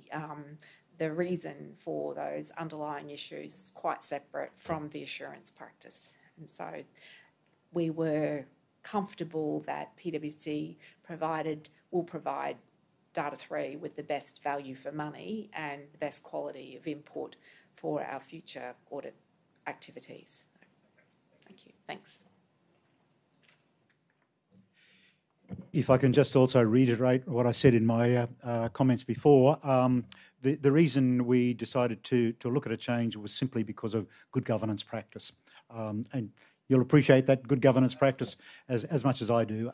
S5: the reason for those underlying issues is quite separate from the assurance practice, and so we were comfortable that PwC will provide Data#3 with the best value for money and the best quality of input for our future audit activities. Thank you. Thanks.
S2: If I can just also reiterate what I said in my comments before, the reason we decided to look at a change was simply because of good governance practice, and you'll appreciate that good governance practice as much as I do.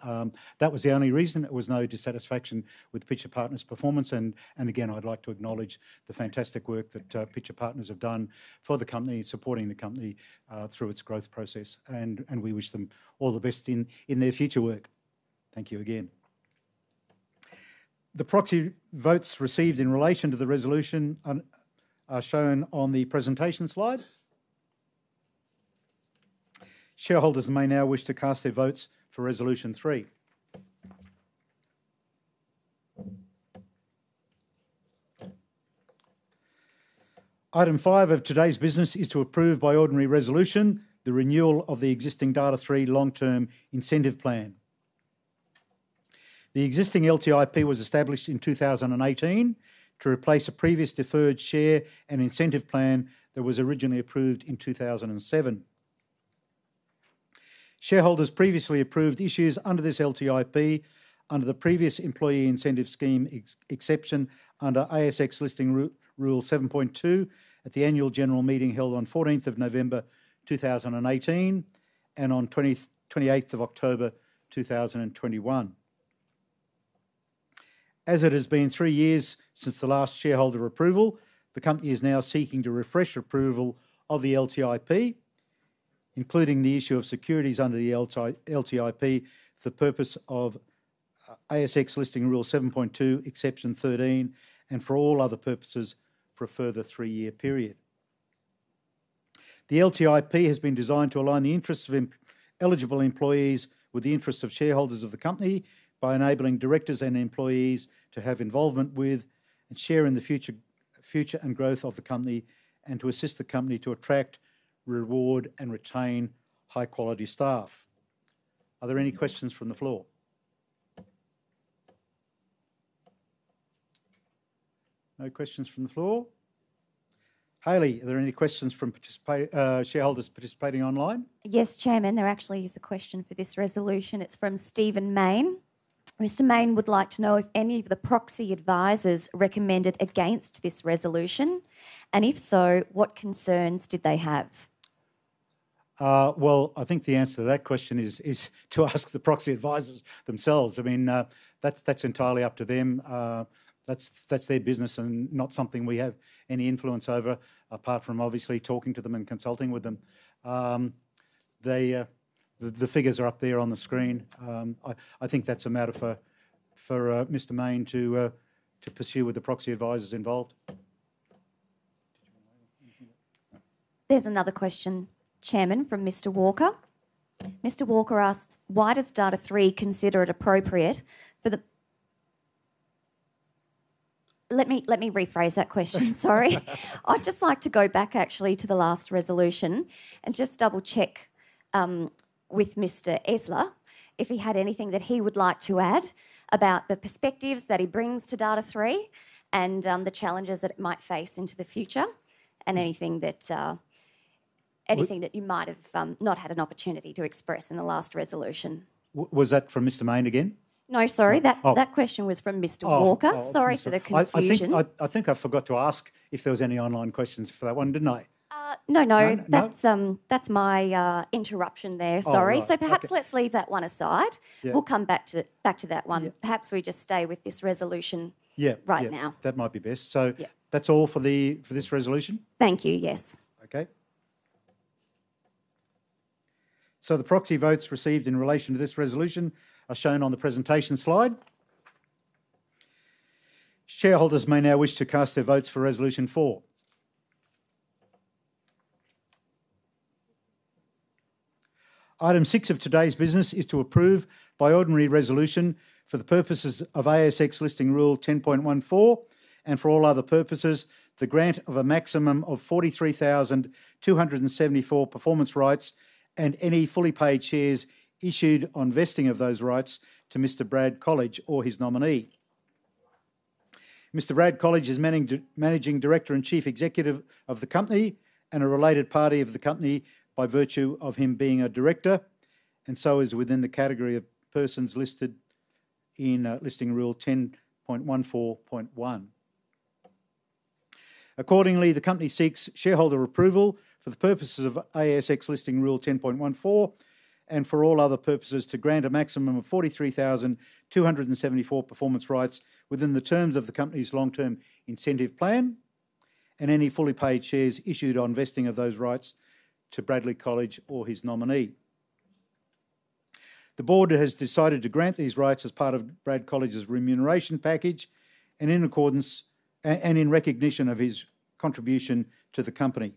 S2: That was the only reason. There was no dissatisfaction with Pitcher Partners' performance, and again, I'd like to acknowledge the fantastic work that Pitcher Partners have done for the company, supporting the company through its growth process, and we wish them all the best in their future work. Thank you again. The proxy votes received in relation to the resolution are shown on the presentation slide. Shareholders may now wish to cast their votes for Resolution 3. Item 5 of today's business is to approve by ordinary resolution the renewal of the existing Data#3 long-term incentive plan. The existing LTIP was established in 2018 to replace a previous deferred share and incentive plan that was originally approved in 2007. Shareholders previously approved issues under this LTIP under the previous employee incentive scheme exception under ASX Listing Rule 7.2 at the annual general meeting held on November 14th, 2018 and on October 28th 2021. As it has been three years since the last shareholder approval, the company is now seeking to refresh approval of the LTIP, including the issue of securities under the LTIP for the purpose of ASX Listing Rule 7.2 Exception 13 and for all other purposes for a further three-year period. The LTIP has been designed to align the interests of eligible employees with the interests of shareholders of the company by enabling directors and employees to have involvement with and share in the future and growth of the company and to assist the company to attract, reward, and retain high-quality staff. Are there any questions from the floor? No questions from the floor. Hayley, are there any questions from shareholders participating online?
S8: Yes, Chairman. There actually is a question for this resolution. It's from Stephen Mayne. Mr. Mayne would like to know if any of the proxy advisors recommended against this resolution, and if so, what concerns did they have?
S2: I think the answer to that question is to ask the proxy advisors themselves. I mean, that's entirely up to them. That's their business and not something we have any influence over apart from obviously talking to them and consulting with them. The figures are up there on the screen. I think that's a matter for Mr. Mayne to pursue with the proxy advisors involved.
S8: There's another question, Chairman, from Mr. Walker. Mr. Walker asks, why does Data#3 consider it appropriate for the. Let me rephrase that question. Sorry. I'd just like to go back actually to the last resolution and just double-check with Mr. Esler if he had anything that he would like to add about the perspectives that he brings to Data#3 and the challenges that it might face into the future, and anything that you might have not had an opportunity to express in the last resolution.
S2: Was that from Mr. Mayne again?
S8: No, sorry. That question was from Mr. Walker. Sorry for the confusion.
S2: I think I forgot to ask if there were any online questions for that one, didn't I?
S8: No, no. That's my interruption there. Sorry. So perhaps let's leave that one aside. We'll come back to that one. Perhaps we just stay with this resolution right now.
S2: Yeah. That might be best. So that's all for this resolution?
S5: Thank you. Yes.
S2: Okay. So the proxy votes received in relation to this resolution are shown on the presentation slide. Shareholders may now wish to cast their votes for Resolution 4. Item 6 of today's business is to approve by ordinary resolution for the purposes of ASX Listing Rule 10.14 and for all other purposes, the grant of a maximum of 43,274 performance rights and any fully paid shares issued on vesting of those rights to Mr. Brad Colledge or his nominee. Mr. Brad Colledge is Managing Director and Chief Executive of the company and a related party of the company by virtue of him being a director, and so is within the category of persons listed in Listing Rule 10.14.1. Accordingly, the company seeks shareholder approval for the purposes of ASX Listing Rule 10.14 and for all other purposes to grant a maximum of 43,274 performance rights within the terms of the company's long-term incentive plan and any fully paid shares issued on vesting of those rights to Brad Colledge or his nominee. The board has decided to grant these rights as part of Brad Colledge's remuneration package and in recognition of his contribution to the company.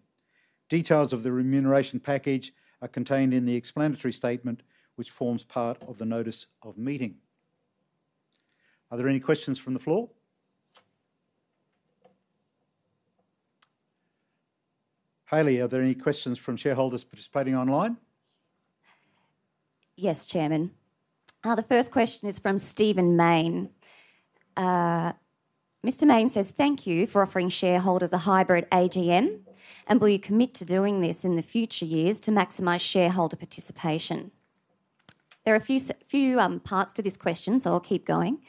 S2: Details of the remuneration package are contained in the explanatory statement, which forms part of the notice of meeting. Are there any questions from the floor? Hayley, are there any questions from shareholders participating online?
S8: Yes, Chairman. The first question is from Stephen Mayne. Mr. Mayne says, "Thank you for offering shareholders a hybrid AGM, and will you commit to doing this in the future years to maximize shareholder participation?" There are a few parts to this question, so I'll keep going.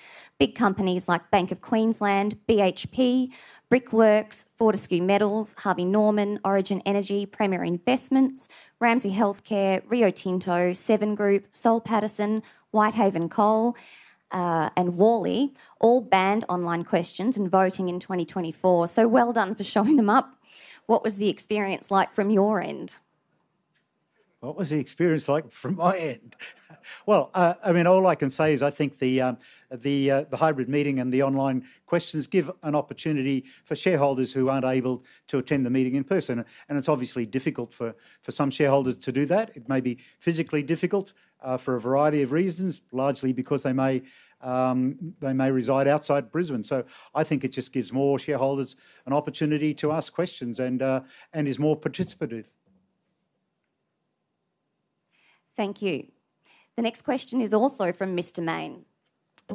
S8: Big companies like Bank of Queensland, BHP, Brickworks, Fortescue Metals, Harvey Norman, Origin Energy, Premier Investments, Ramsay Health Care, Rio Tinto, Seven Group, Soul Pattinson, Whitehaven Coal, and Worley all banned online questions and voting in 2024. So well done for showing them up. What was the experience like from your end?
S2: What was the experience like from my end? Well, I mean, all I can say is I think the hybrid meeting and the online questions give an opportunity for shareholders who aren't able to attend the meeting in person. And it's obviously difficult for some shareholders to do that. It may be physically difficult for a variety of reasons, largely because they may reside outside Brisbane. So I think it just gives more shareholders an opportunity to ask questions and is more participative.
S8: Thank you. The next question is also from Mr. Mayne.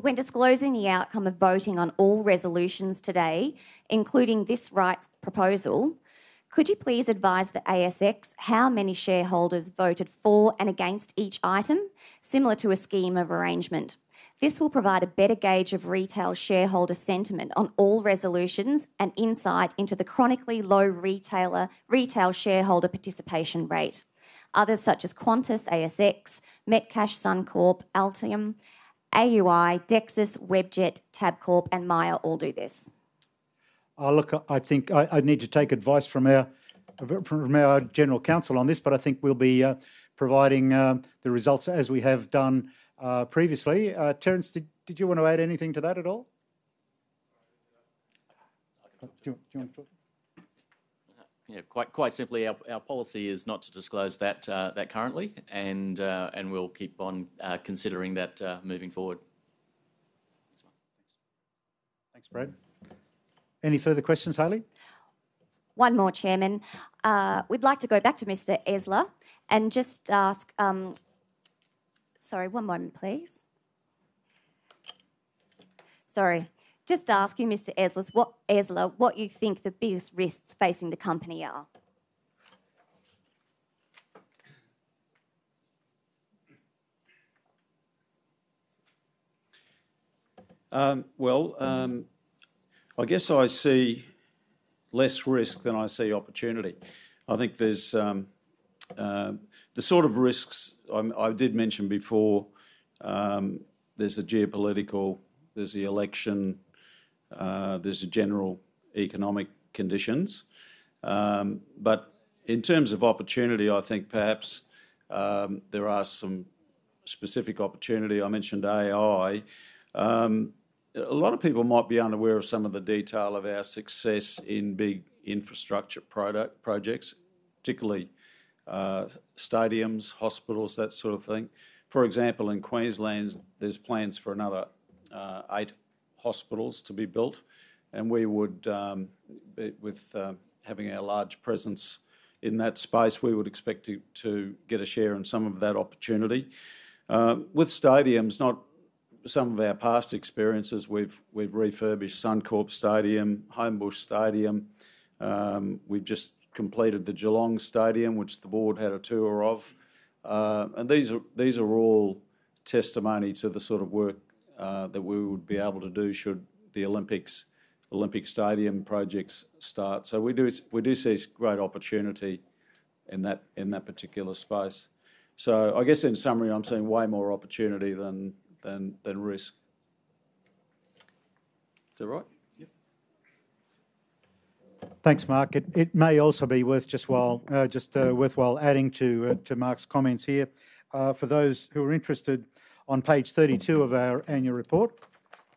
S8: When disclosing the outcome of voting on all resolutions today, including this rights proposal, could you please advise the ASX how many shareholders voted for and against each item, similar to a scheme of arrangement? This will provide a better gauge of retail shareholder sentiment on all resolutions and insight into the chronically low retail shareholder participation rate. Others such as Qantas, ASX, Metcash, Suncorp, Altium, AUI, Dexus, Webjet, Tabcorp, and Myer all do this.
S2: I think I need to take advice from our general counsel on this, but I think we'll be providing the results as we have done previously. Terence, did you want to add anything to that at all?
S11: Yeah. Quite simply, our policy is not to disclose that currently, and we'll keep on considering that moving forward.
S2: Thanks, Brad. Any further questions, Hayley?
S8: One more, Chairman. We'd like to go back to Mr. Esler and just ask, sorry, one moment, please. Sorry. Just asking Mr. Esler what you think the biggest risks facing the company are.
S9: I guess I see less risk than I see opportunity. I think there's the sort of risks I did mention before. There's the geopolitical, there's the election, there's the general economic conditions. But in terms of opportunity, I think perhaps there are some specific opportunity. I mentioned AI. A lot of people might be unaware of some of the detail of our success in big infrastructure projects, particularly stadiums, hospitals, that sort of thing. For example, in Queensland, there's plans for another eight hospitals to be built. And with having a large presence in that space, we would expect to get a share in some of that opportunity. With stadiums, some of our past experiences, we've refurbished Suncorp Stadium, Homebush Stadium. We've just completed the Geelong Stadium, which the board had a tour of. These are all testimony to the sort of work that we would be able to do should the Olympic Stadium projects start. We do see great opportunity in that particular space. I guess in summary, I'm seeing way more opportunity than risk. Is that right?
S2: Yep. Thanks, Mark. It may also be worth just adding to Mark's comments here. For those who are interested, on page 32 of our annual report,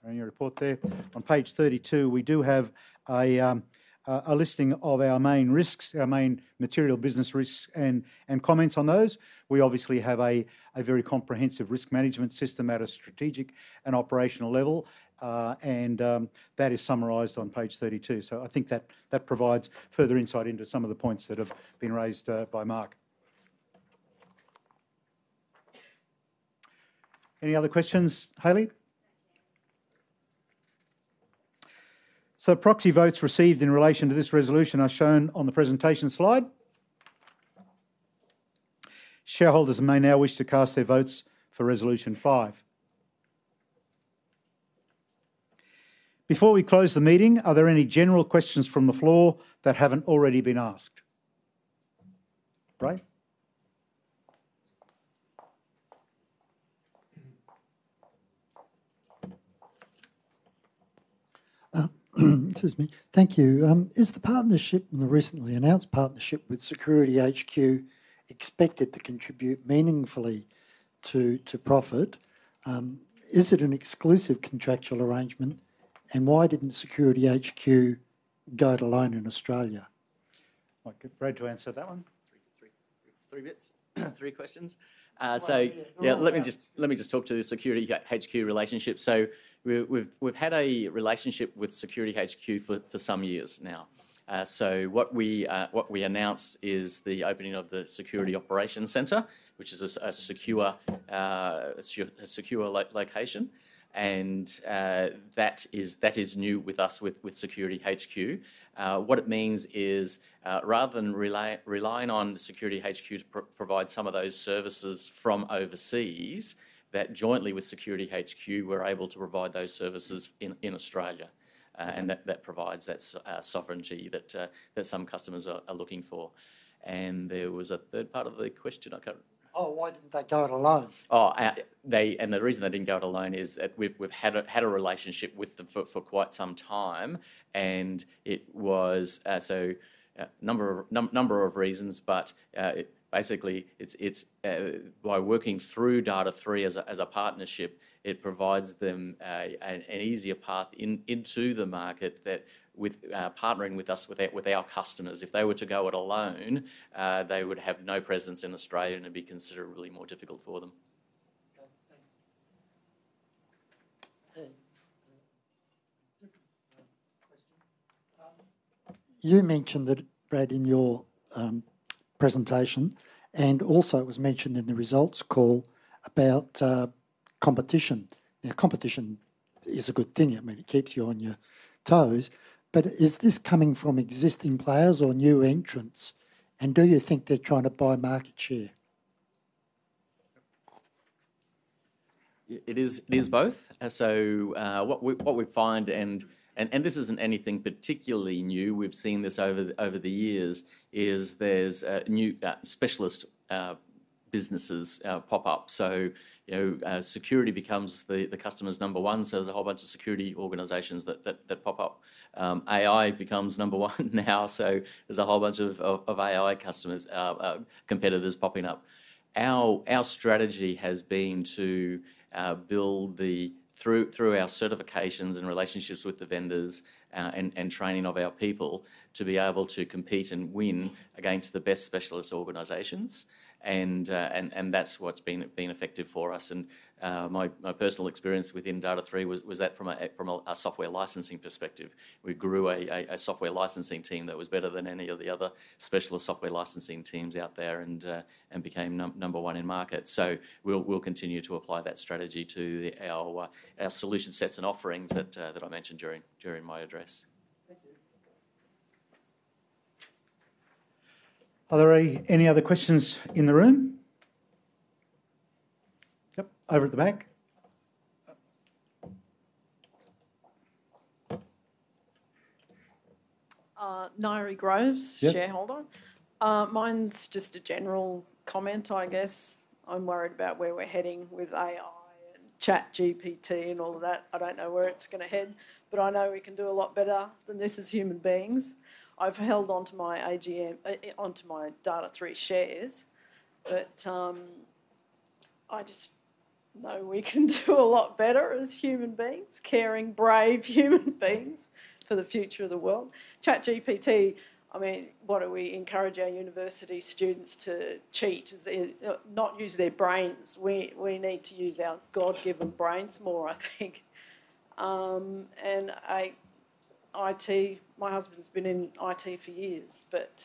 S2: our annual report there, on page 32, we do have a listing of our main risks, our main material business risks, and comments on those. We obviously have a very comprehensive risk management system at a strategic and operational level, and that is summarized on page 32. So I think that provides further insight into some of the points that have been raised by Mark. Any other questions, Hayley? So proxy votes received in relation to this resolution are shown on the presentation slide. Shareholders may now wish to cast their votes for Resolution 5. Before we close the meeting, are there any general questions from the floor that haven't already been asked? Ray?
S6: Excuse me. Thank you. Is the partnership and the recently announced partnership with SecurityHQ expected to contribute meaningfully to profit? Is it an exclusive contractual arrangement? And why didn't SecurityHQ go it alone in Australia?
S2: I'll give Brad to answer that one.
S3: Three bits, three questions. So yeah, let me just talk to the SecurityHQ relationship. So we've had a relationship with SecurityHQ for some years now. So what we announced is the opening of the Security Operations Centre, which is a secure location. And that is new with us with SecurityHQ. What it means is, rather than relying on SecurityHQ to provide some of those services from overseas, that jointly with SecurityHQ, we're able to provide those services in Australia. And that provides that sovereignty that some customers are looking for. And there was a third part of the question.
S6: Oh, why didn't they go it alone?
S3: Oh, and the reason they didn't go it alone is that we've had a relationship with them for quite some time, and it was for a number of reasons, but basically, by working through Data#3 as a partnership, it provides them an easier path into the market with partnering with us, with our customers. If they were to go it alone, they would have no presence in Australia and it'd be considerably more difficult for them.
S6: You mentioned it, Brad, in your presentation, and also it was mentioned in the results call about competition. Now, competition is a good thing. I mean, it keeps you on your toes, but is this coming from existing players or new entrants, and do you think they're trying to buy market share?
S3: It is both. So what we find, and this isn't anything particularly new, we've seen this over the years, is there's new specialist businesses pop up. So security becomes the customer's number one. So there's a whole bunch of security organizations that pop up. AI becomes number one now. So there's a whole bunch of AI competitors popping up. Our strategy has been to build through our certifications and relationships with the vendors and training of our people to be able to compete and win against the best specialist organizations. And that's what's been effective for us. And my personal experience within Data#3 was that from a software licensing perspective. We grew a software licensing team that was better than any of the other specialist software licensing teams out there and became number one in market. So we'll continue to apply that strategy to our solution sets and offerings that I mentioned during my address.
S2: Thank you. Are there any other questions in the room? Yep, over at the back.
S12: Nairi Groves, shareholder. Mine's just a general comment, I guess. I'm worried about where we're heading with AI and ChatGPT and all of that. I don't know where it's going to head, but I know we can do a lot better than this as human beings. I've held onto my Data#3 shares, but I just know we can do a lot better as human beings, caring, brave human beings for the future of the world. ChatGPT, I mean, what are we encouraging our university students to cheat? Not use their brains. We need to use our God-given brains more, I think, and IT, my husband's been in IT for years, but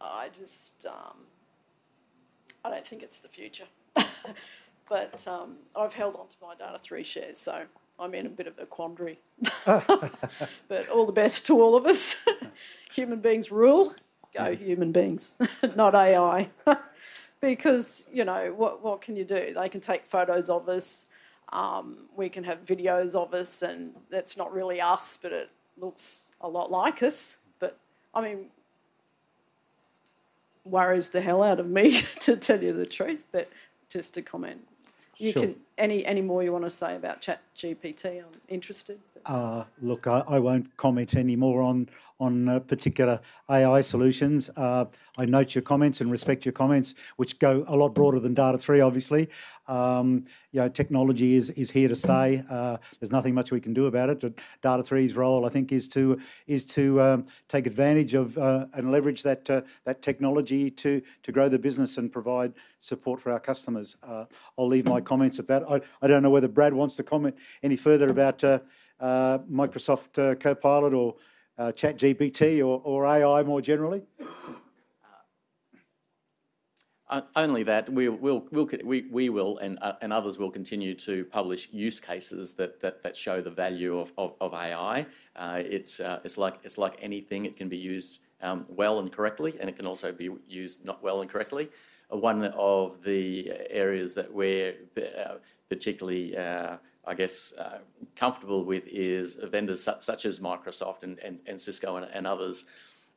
S12: I don't think it's the future, but I've held onto my Data#3 shares, so I'm in a bit of a quandary, but all the best to all of us. Human beings rule. Go, human beings. Not AI. Because what can you do? They can take photos of us. We can have videos of us, and that's not really us, but it looks a lot like us. But I mean, worries the hell out of me, to tell you the truth. But just a comment. Any more you want to say about ChatGPT? I'm interested.
S2: Look, I won't comment any more on particular AI solutions. I note your comments and respect your comments, which go a lot broader than Data#3, obviously. Technology is here to stay. There's nothing much we can do about it. Data#3's role, I think, is to take advantage of and leverage that technology to grow the business and provide support for our customers. I'll leave my comments at that. I don't know whether Brad wants to comment any further about Microsoft Copilot or ChatGPT or AI more generally.
S3: Only that we will and others will continue to publish use cases that show the value of AI. It's like anything. It can be used well and correctly, and it can also be used not well and correctly. One of the areas that we're particularly, I guess, comfortable with is vendors such as Microsoft and Cisco and others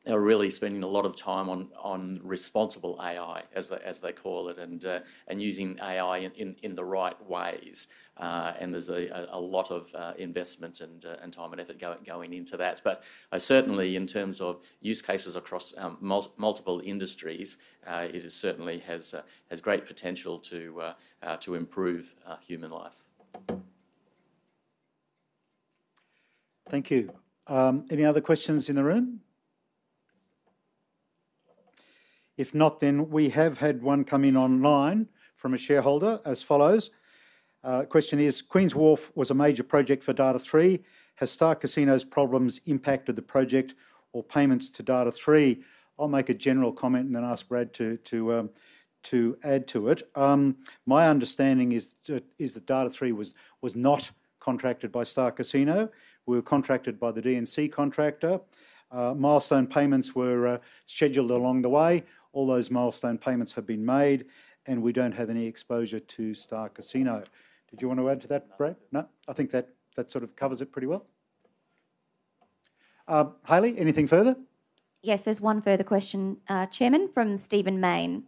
S3: are really spending a lot of time on responsible AI, as they call it, and using AI in the right ways. And there's a lot of investment and time and effort going into that. But certainly, in terms of use cases across multiple industries, it certainly has great potential to improve human life.
S2: Thank you. Any other questions in the room? If not, then we have had one come in online from a shareholder as follows. The question is, Queen's Wharf was a major project for Data#3. Has Star Casino's problems impacted the project or payments to Data#3? I'll make a general comment and then ask Brad to add to it. My understanding is that Data#3 was not contracted by Star Casino. We were contracted by the D&C contractor. Milestone payments were scheduled along the way. All those milestone payments have been made, and we don't have any exposure to Star Casino. Did you want to add to that, Brad? No? I think that sort of covers it pretty well. Hayley, anything further?
S8: Yes, there's one further question, Chairman, from Stephen Mayne.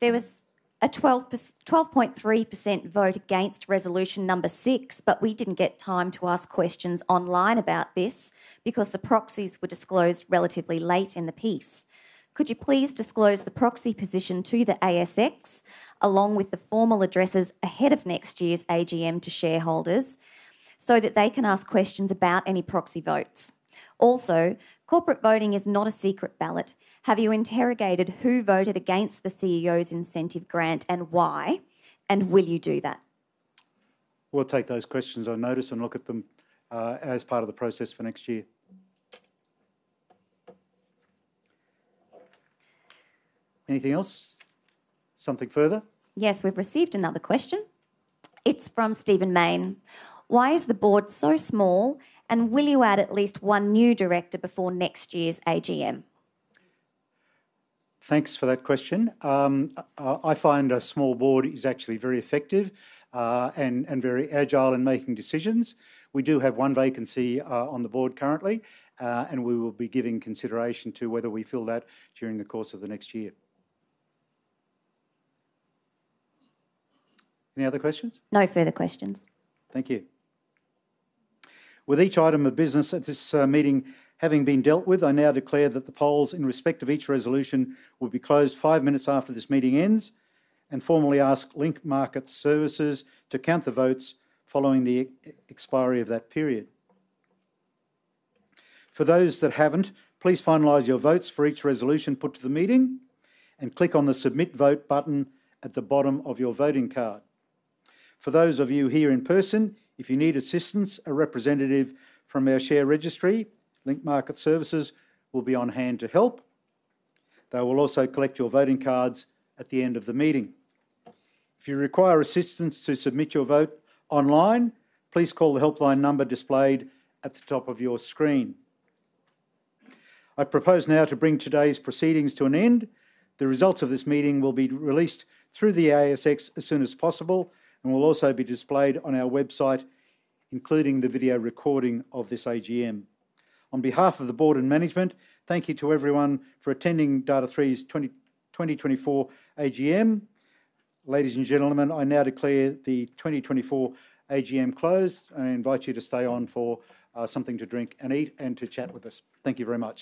S8: There was a 12.3% vote against resolution number six, but we didn't get time to ask questions online about this because the proxies were disclosed relatively late in the piece. Could you please disclose the proxy position to the ASX along with the formal addresses ahead of next year's AGM to shareholders so that they can ask questions about any proxy votes? Also, corporate voting is not a secret ballot. Have you interrogated who voted against the CEO's incentive grant and why? And will you do that?
S2: We'll take those questions on notice and look at them as part of the process for next year. Anything else? Something further?
S8: Yes, we've received another question. It's from Stephen Mayne. Why is the board so small, and will you add at least one new director before next year's AGM?
S2: Thanks for that question. I find a small board is actually very effective and very agile in making decisions. We do have one vacancy on the board currently, and we will be giving consideration to whether we fill that during the course of the next year. Any other questions?
S8: No further questions.
S2: Thank you. With each item of business at this meeting having been dealt with, I now declare that the polls in respect of each resolution will be closed five minutes after this meeting ends and formally ask Link Market Services to count the votes following the expiry of that period. For those that haven't, please finalize your votes for each resolution put to the meeting and click on the Submit Vote button at the bottom of your voting card. For those of you here in person, if you need assistance, a representative from our share registry, Link Market Services, will be on hand to help. They will also collect your voting cards at the end of the meeting. If you require assistance to submit your vote online, please call the helpline number displayed at the top of your screen. I propose now to bring today's proceedings to an end. The results of this meeting will be released through the ASX as soon as possible and will also be displayed on our website, including the video recording of this AGM. On behalf of the board and management, thank you to everyone for attending Data#3's 2024 AGM. Ladies and gentlemen, I now declare the 2024 AGM closed and invite you to stay on for something to drink and eat and to chat with us. Thank you very much.